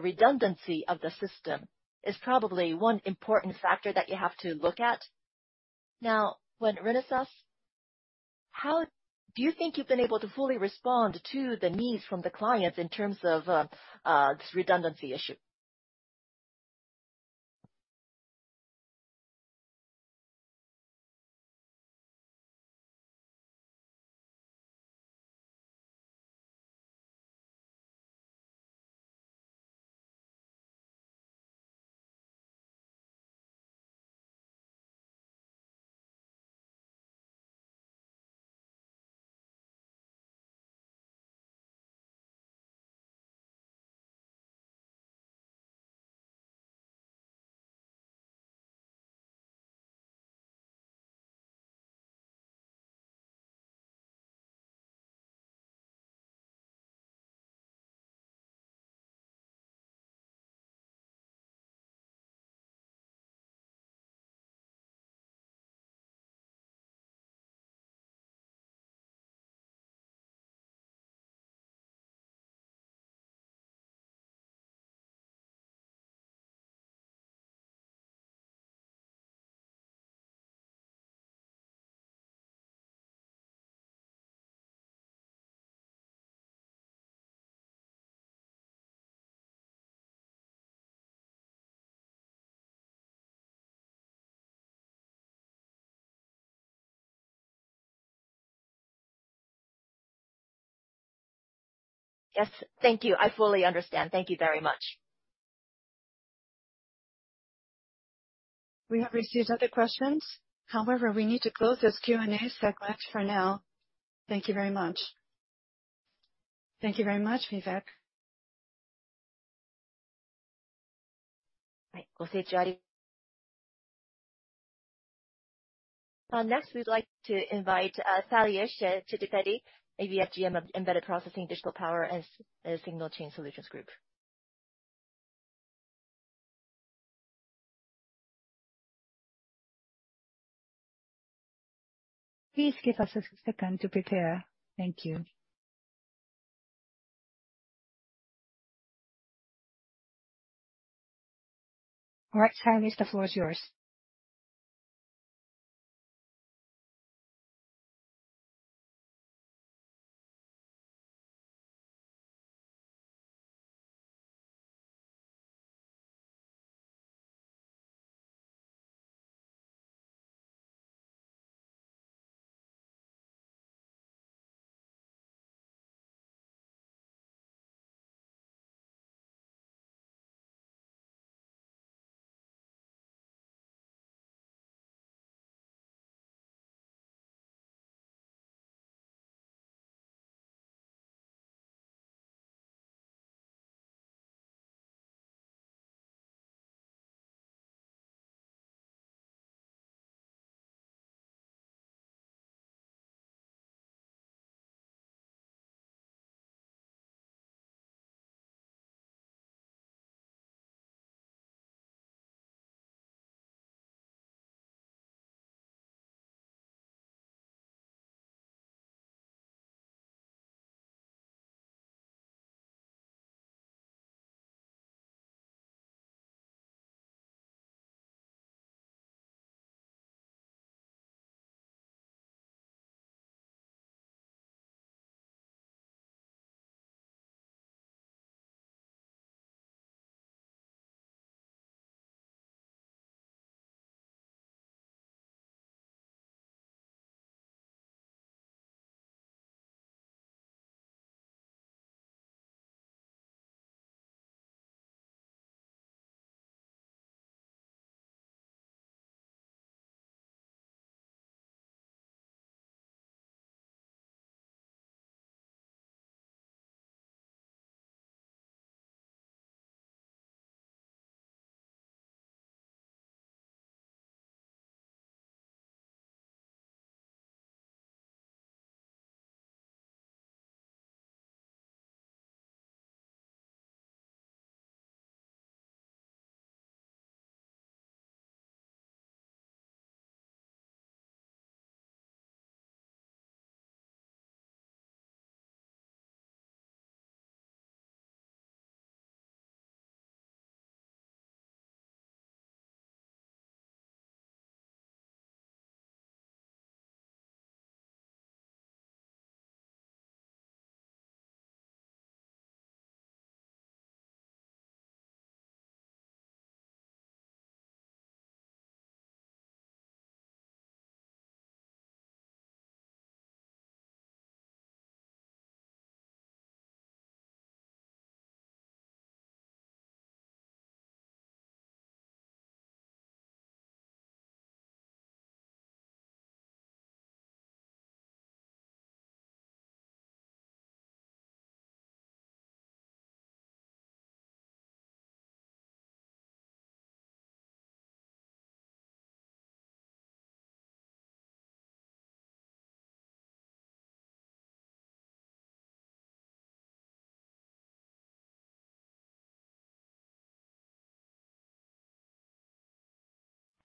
[SPEAKER 11] redundancy of the system is probably one important factor that you have to look at. Now, when Renesas, Do you think you've been able to fully respond to the needs from the clients in terms of this redundancy issue? Yes, thank you. I fully understand. Thank you very much.
[SPEAKER 1] We have received other questions. However, we need to close this Q&A segment for now. Thank you very much. Thank you very much, Vivek. Right. Next, we'd like to invite, Sailesh, AVGM of Embedded Processing, Digital Power and Signal Chain Solutions Group. Please give us a second to prepare. Thank you. All right, Sailesh, the floor is yours.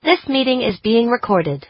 [SPEAKER 1] This meeting is being recorded.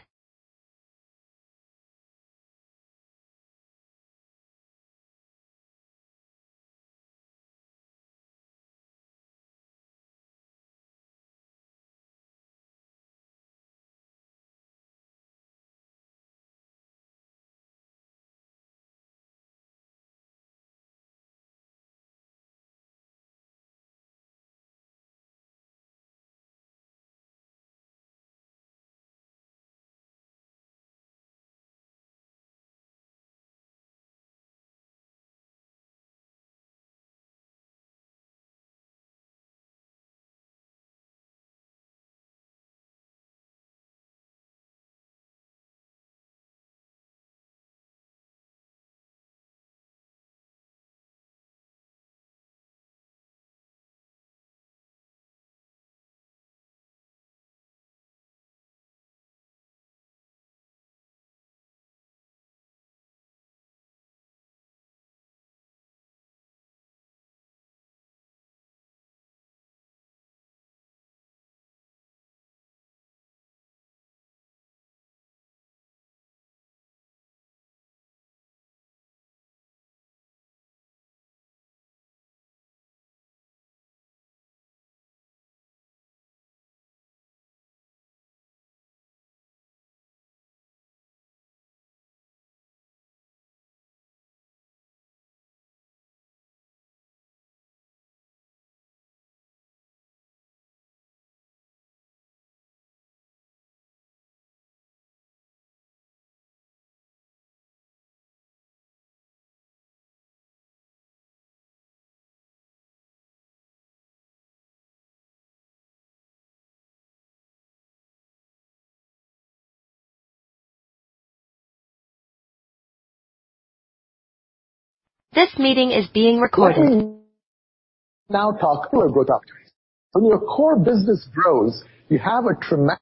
[SPEAKER 12] Now talk about growth opportunities. When your core business grows, you have a treme-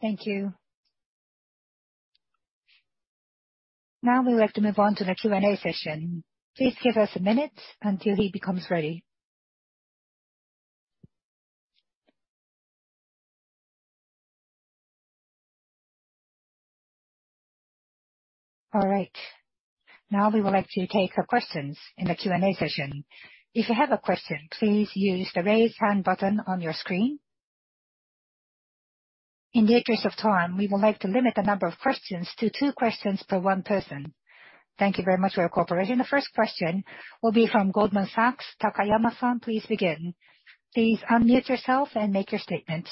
[SPEAKER 1] Thank you. Now we would like to move on to the Q&A session. Please give us a minute until he becomes ready. All right, now we would like to take your questions in the Q&A session. If you have a question, please use the Raise Hand button on your screen. In the interest of time, we would like to limit the number of questions to two questions per one person. Thank you very much for your cooperation. The first question will be from Goldman Sachs, Takayama-san, please begin. Please unmute yourself and make your statement.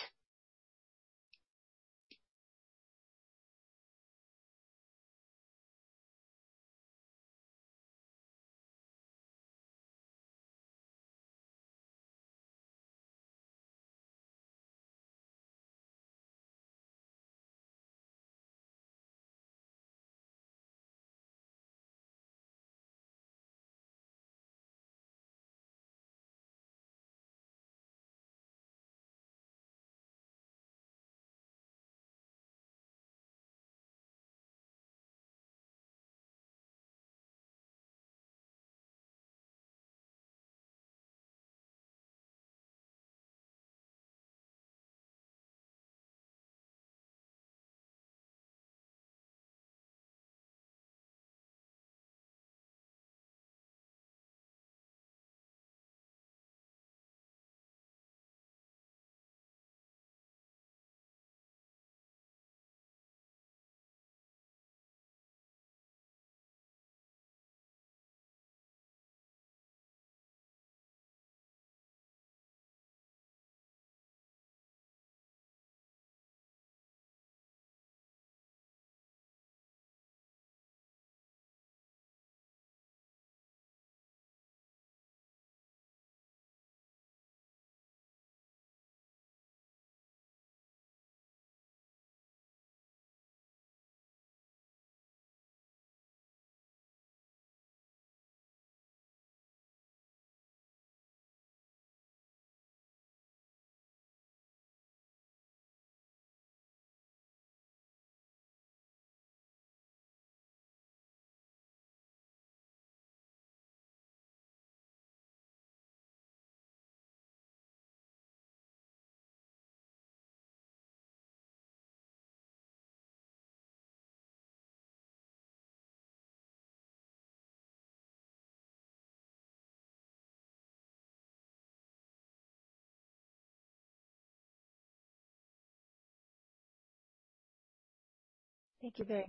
[SPEAKER 1] Thank you.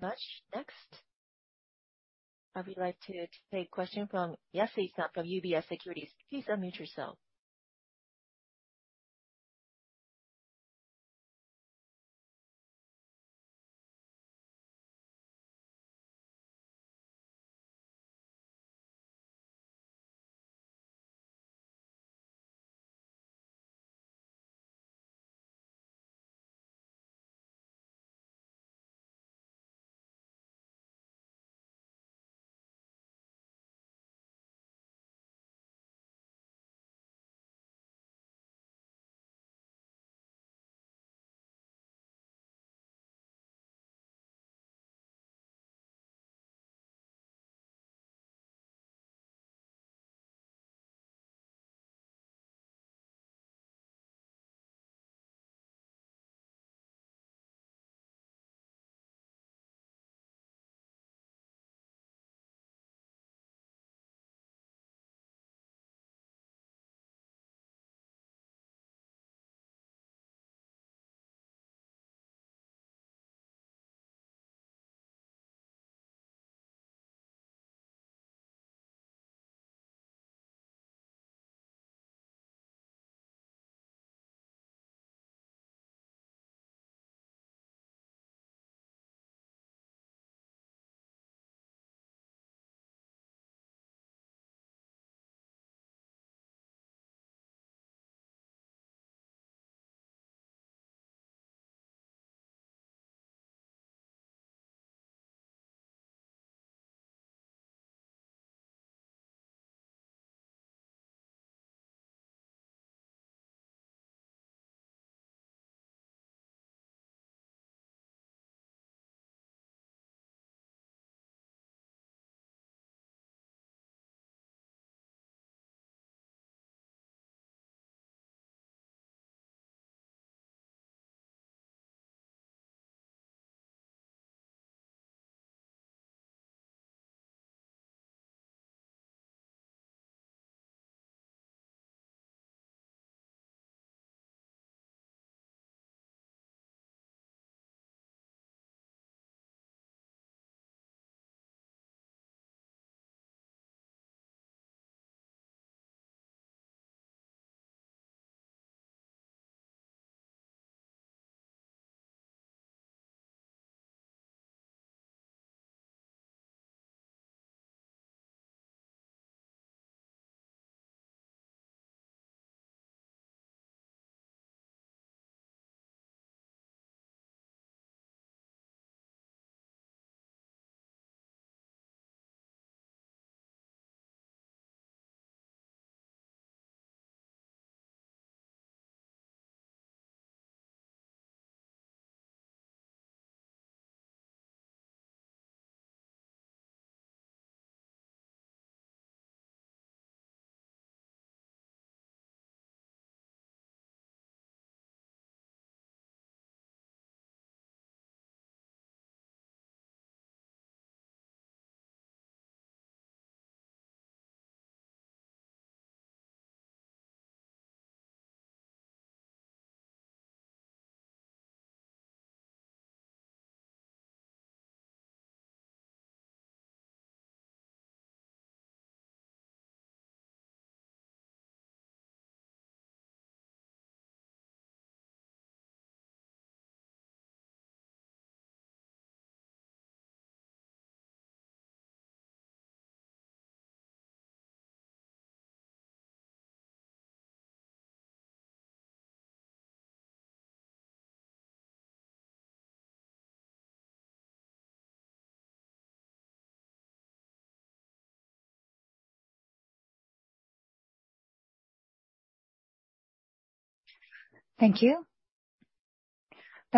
[SPEAKER 1] The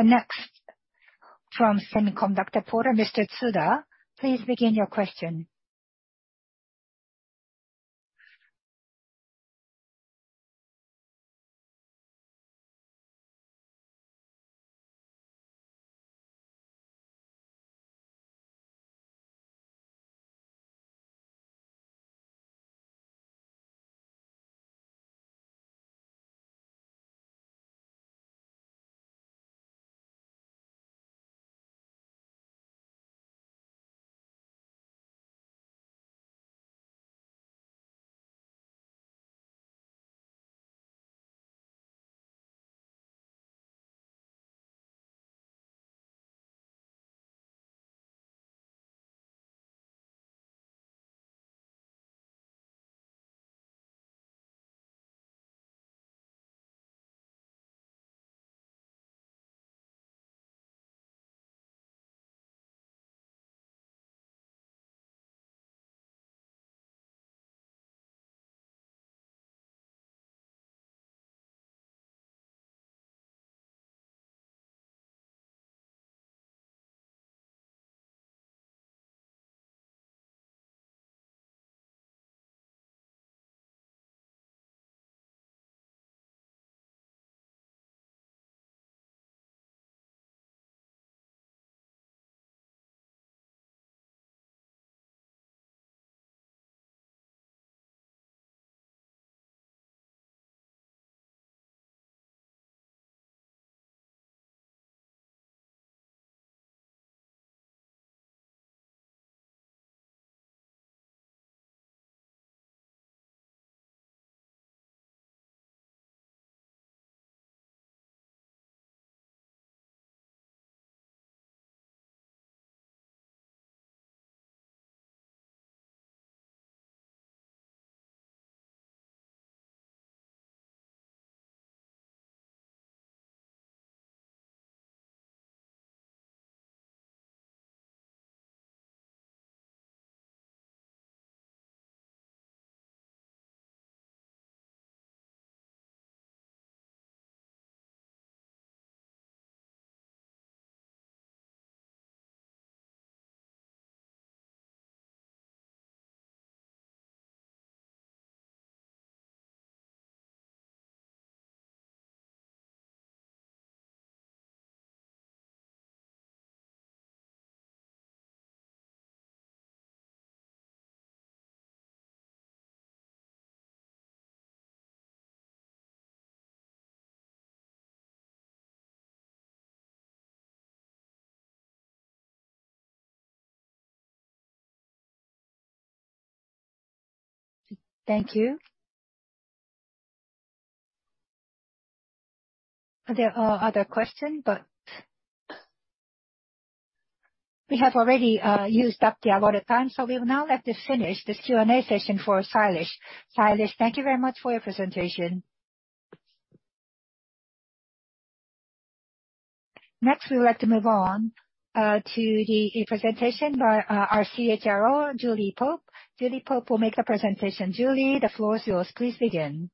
[SPEAKER 1] next from Semiconductor Portal, Mr. Tsuda, please begin your question. Thank you. There are other question, but we have already used up the allotted time, we'll now have to finish this Q&A session for Sailesh. Sailesh, thank you very much for your presentation. Next, we would like to move on, to the presentation by, our CHRO, Julie Pope. Julie Pope will make a presentation. Julie, the floor is yours. Please begin.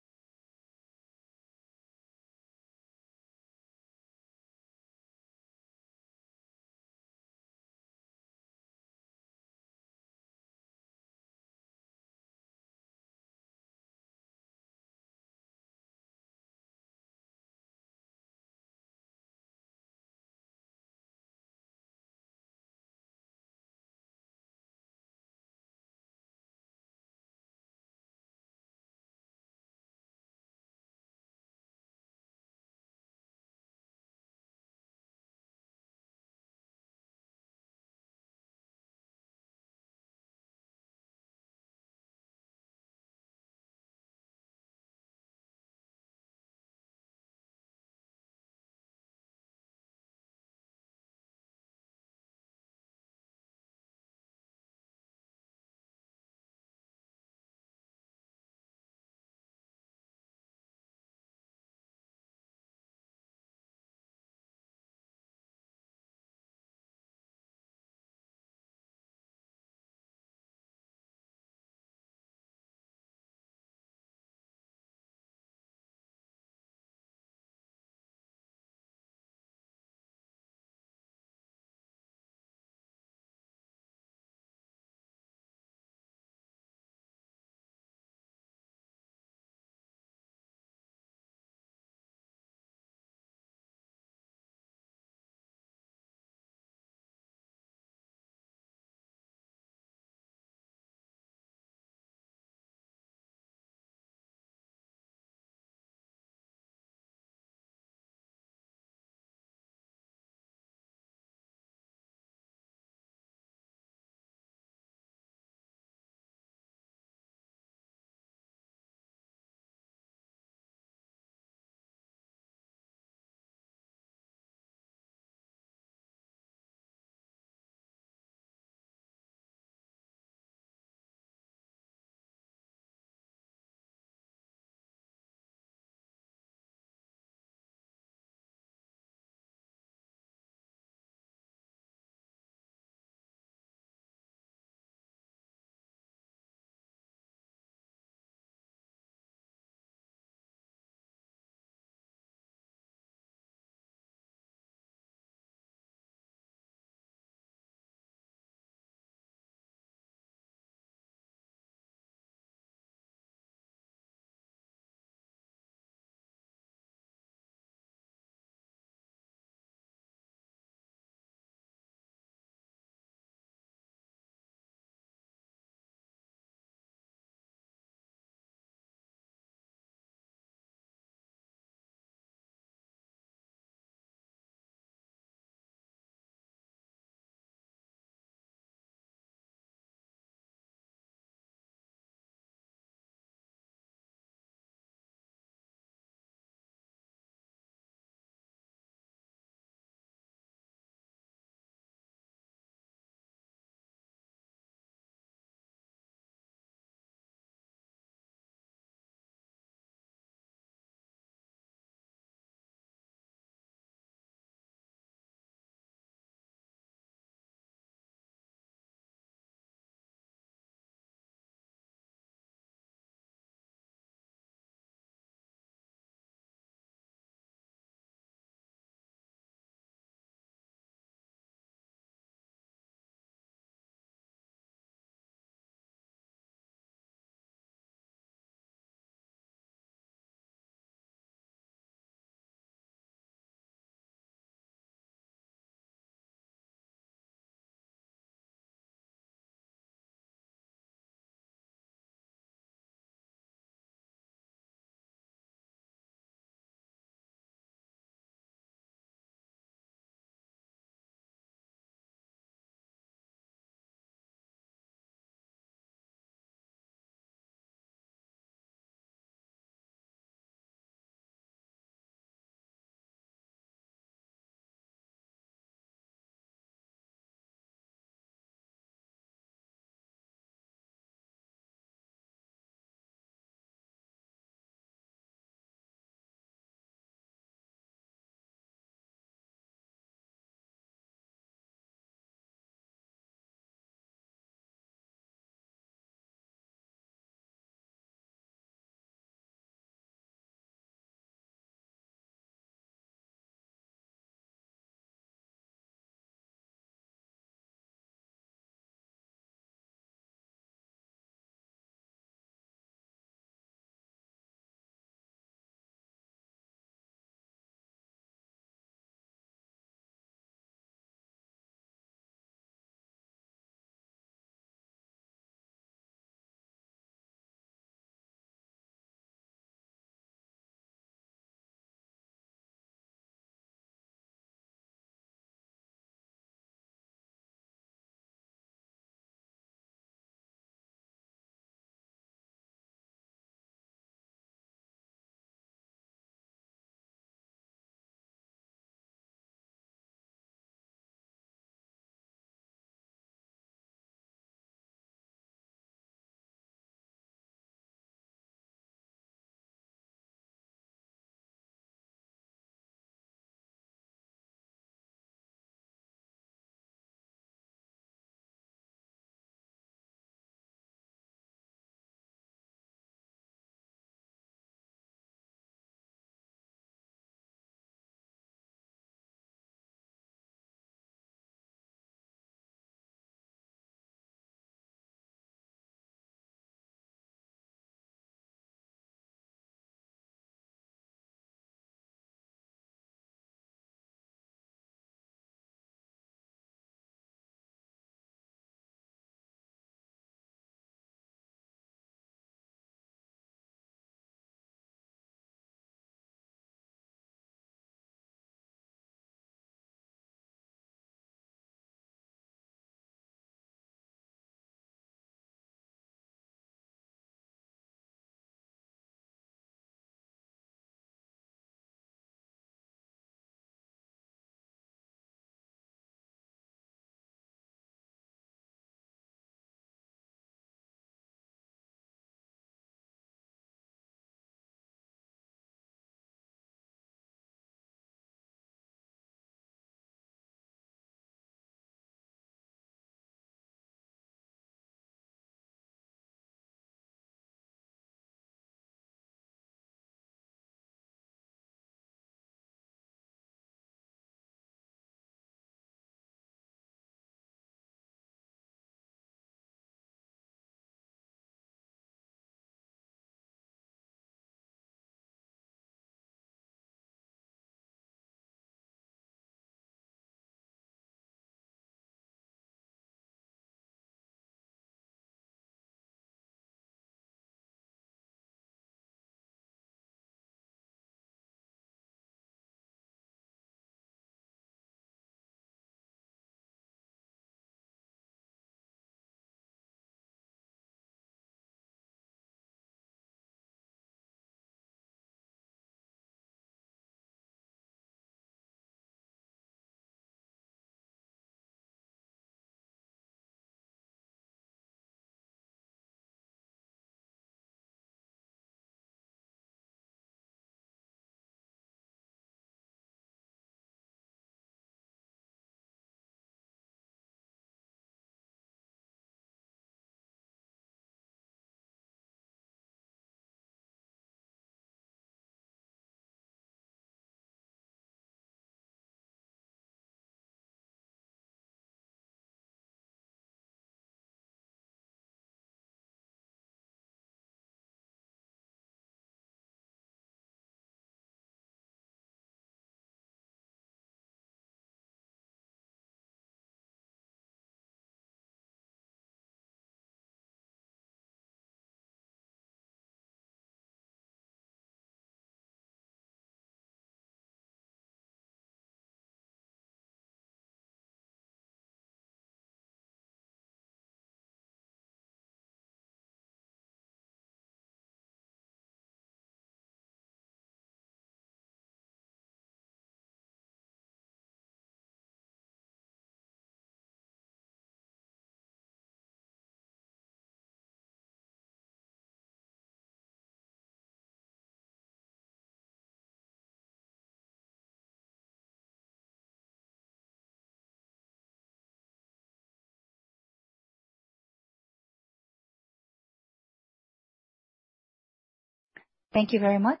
[SPEAKER 1] Thank you very much.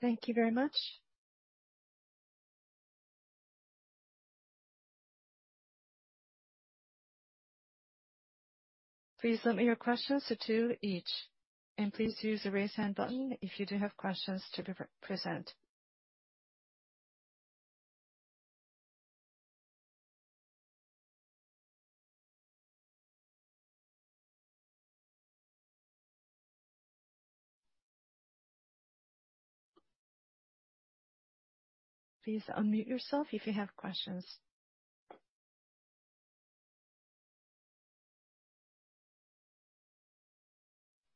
[SPEAKER 1] Thank you very much. Please limit your questions to 2 each. Please use the Raise Hand button if you do have questions to be pre-present. Please unmute yourself if you have questions.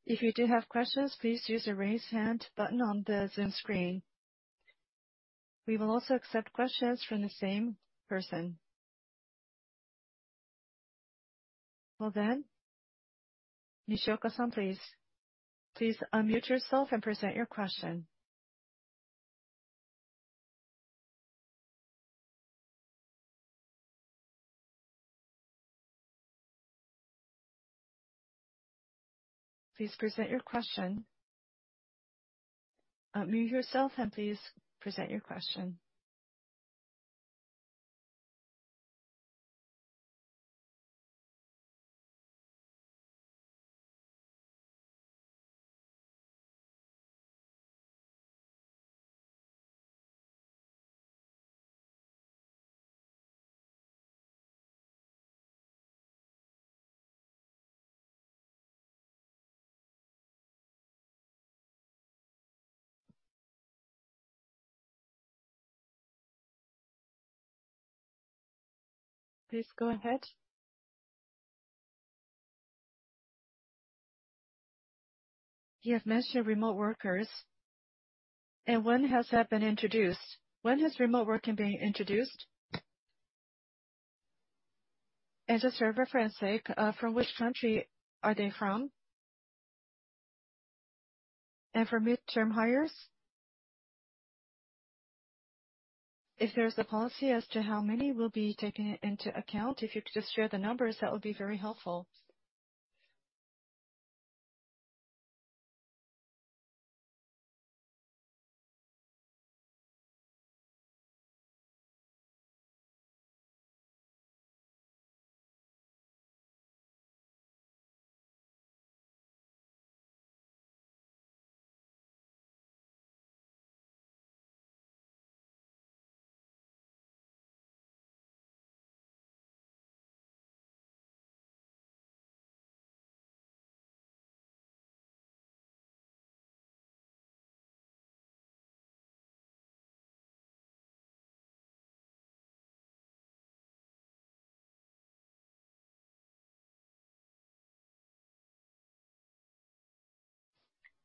[SPEAKER 1] If you do have questions, please use the Raise Hand button on the Zoom screen. We will also accept questions from the same person. Nishoka-san, please. Please unmute yourself and present your question. Please present your question. Unmute yourself. Please present your question. Please go ahead. You have mentioned remote workers. When has that been introduced? When is remote working being introduced? Just for reference sake, from which country are they from? For midterm hires, if there's a policy as to how many will be taking into account, if you could just share the numbers, that would be very helpful.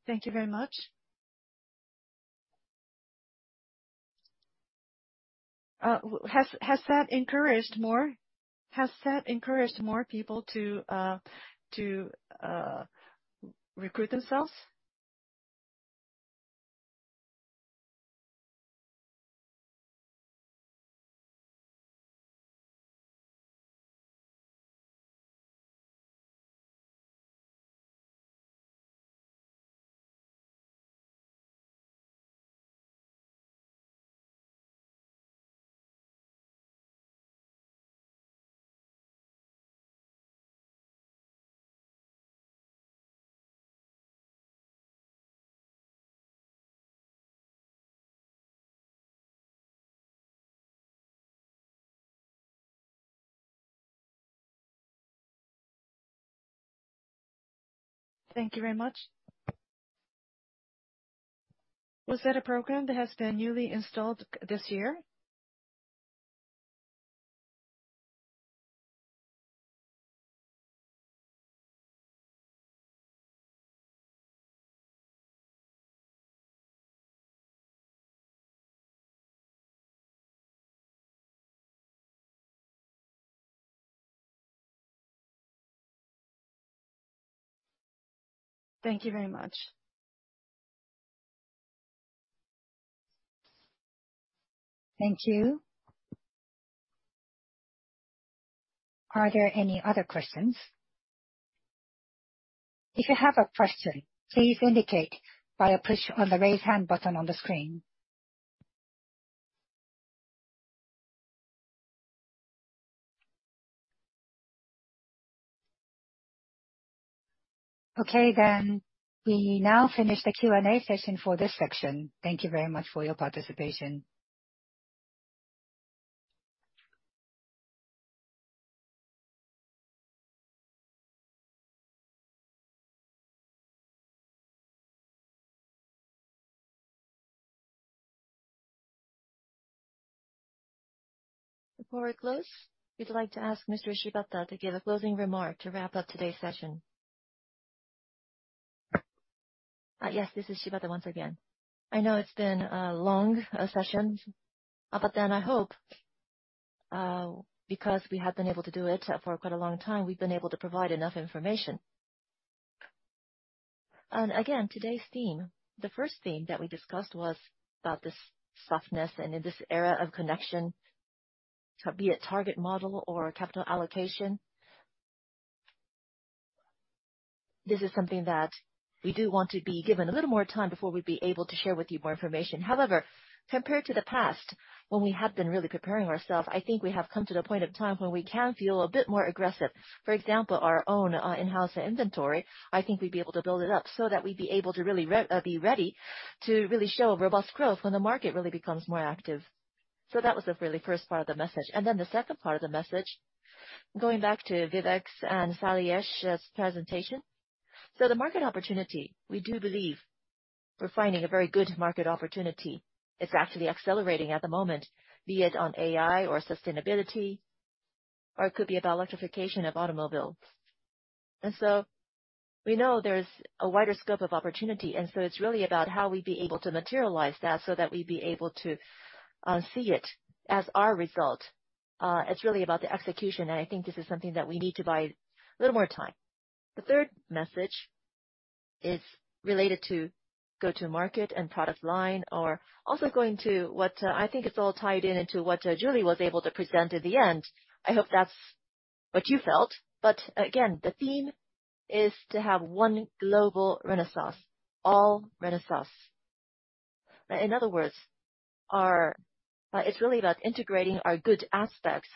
[SPEAKER 1] Thank you very much. Has that encouraged more? Has that encouraged more people to recruit themselves? Thank you very much. Thank you. Are there any other questions? If you have a question, please indicate by a push on the Raise Hand button on the screen. Okay, we now finish the Q&A session for this section. Thank you very much for your participation. Before we close, we'd like to ask Mr. Shibata to give a closing remark to wrap up today's session.
[SPEAKER 2] Yes, this is Shibata once again. I know it's been a long session, but then I hope, because we have been able to do it for quite a long time, we've been able to provide enough information. Today's theme, the first theme that we discussed was about this softness and in this era of connection, be it target model or capital allocation. This is something that we do want to be given a little more time before we'd be able to share with you more information. Compared to the past, when we have been really preparing ourselves, I think we have come to the point of time when we can feel a bit more aggressive. For example, our own, in-house inventory, I think we'd be able to build it up so that we'd be able to really be ready to really show a robust growth when the market really becomes more active. That was the really first part of the message. Then the second part of the message, going back to Vivek's and Sailesh's presentation. The market opportunity, we do believe we're finding a very good market opportunity. It's actually accelerating at the moment, be it on AI or sustainability, or it could be about electrification of automobiles. We know there's a wider scope of opportunity, and so it's really about how we'd be able to materialize that so that we'd be able to see it as our result. It's really about the execution, and I think this is something that we need to buy a little more time. The third message is related to go-to-market and product line, or also going to what I think it's all tied in into what Julie was able to present at the end. I hope that's what you felt. Again, the theme is to have one global Renesas, all Renesas. In other words, it's really about integrating our good aspects.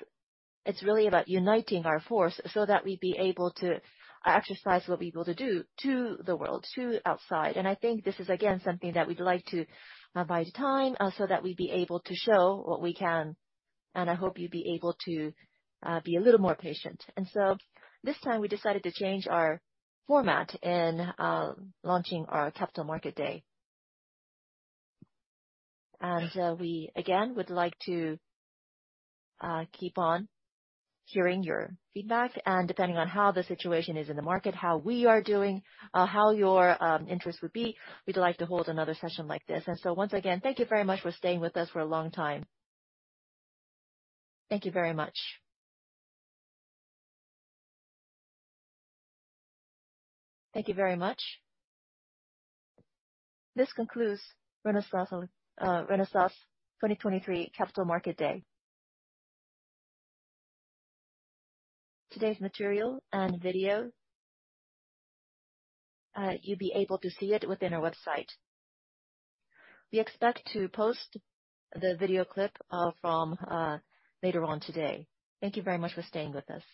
[SPEAKER 2] It's really about uniting our force so that we'd be able to exercise what we're able to do to the world, to outside. I think this is, again, something that we'd like to buy the time so that we'd be able to show what we can, and I hope you'd be able to be a little more patient. This time, we decided to change our format in launching our Capital Market Day. We, again, would like to keep on hearing your feedback, and depending on how the situation is in the market, how we are doing, how your interest would be, we'd like to hold another session like this. Once again, thank you very much for staying with us for a long time. Thank you very much.
[SPEAKER 1] Thank you very much. This concludes Renesas, Renesas's 2023 Capital Market Day. Today's material and video, you'll be able to see it within our website. We expect to post the video clip, from later on today. Thank you very much for staying with us.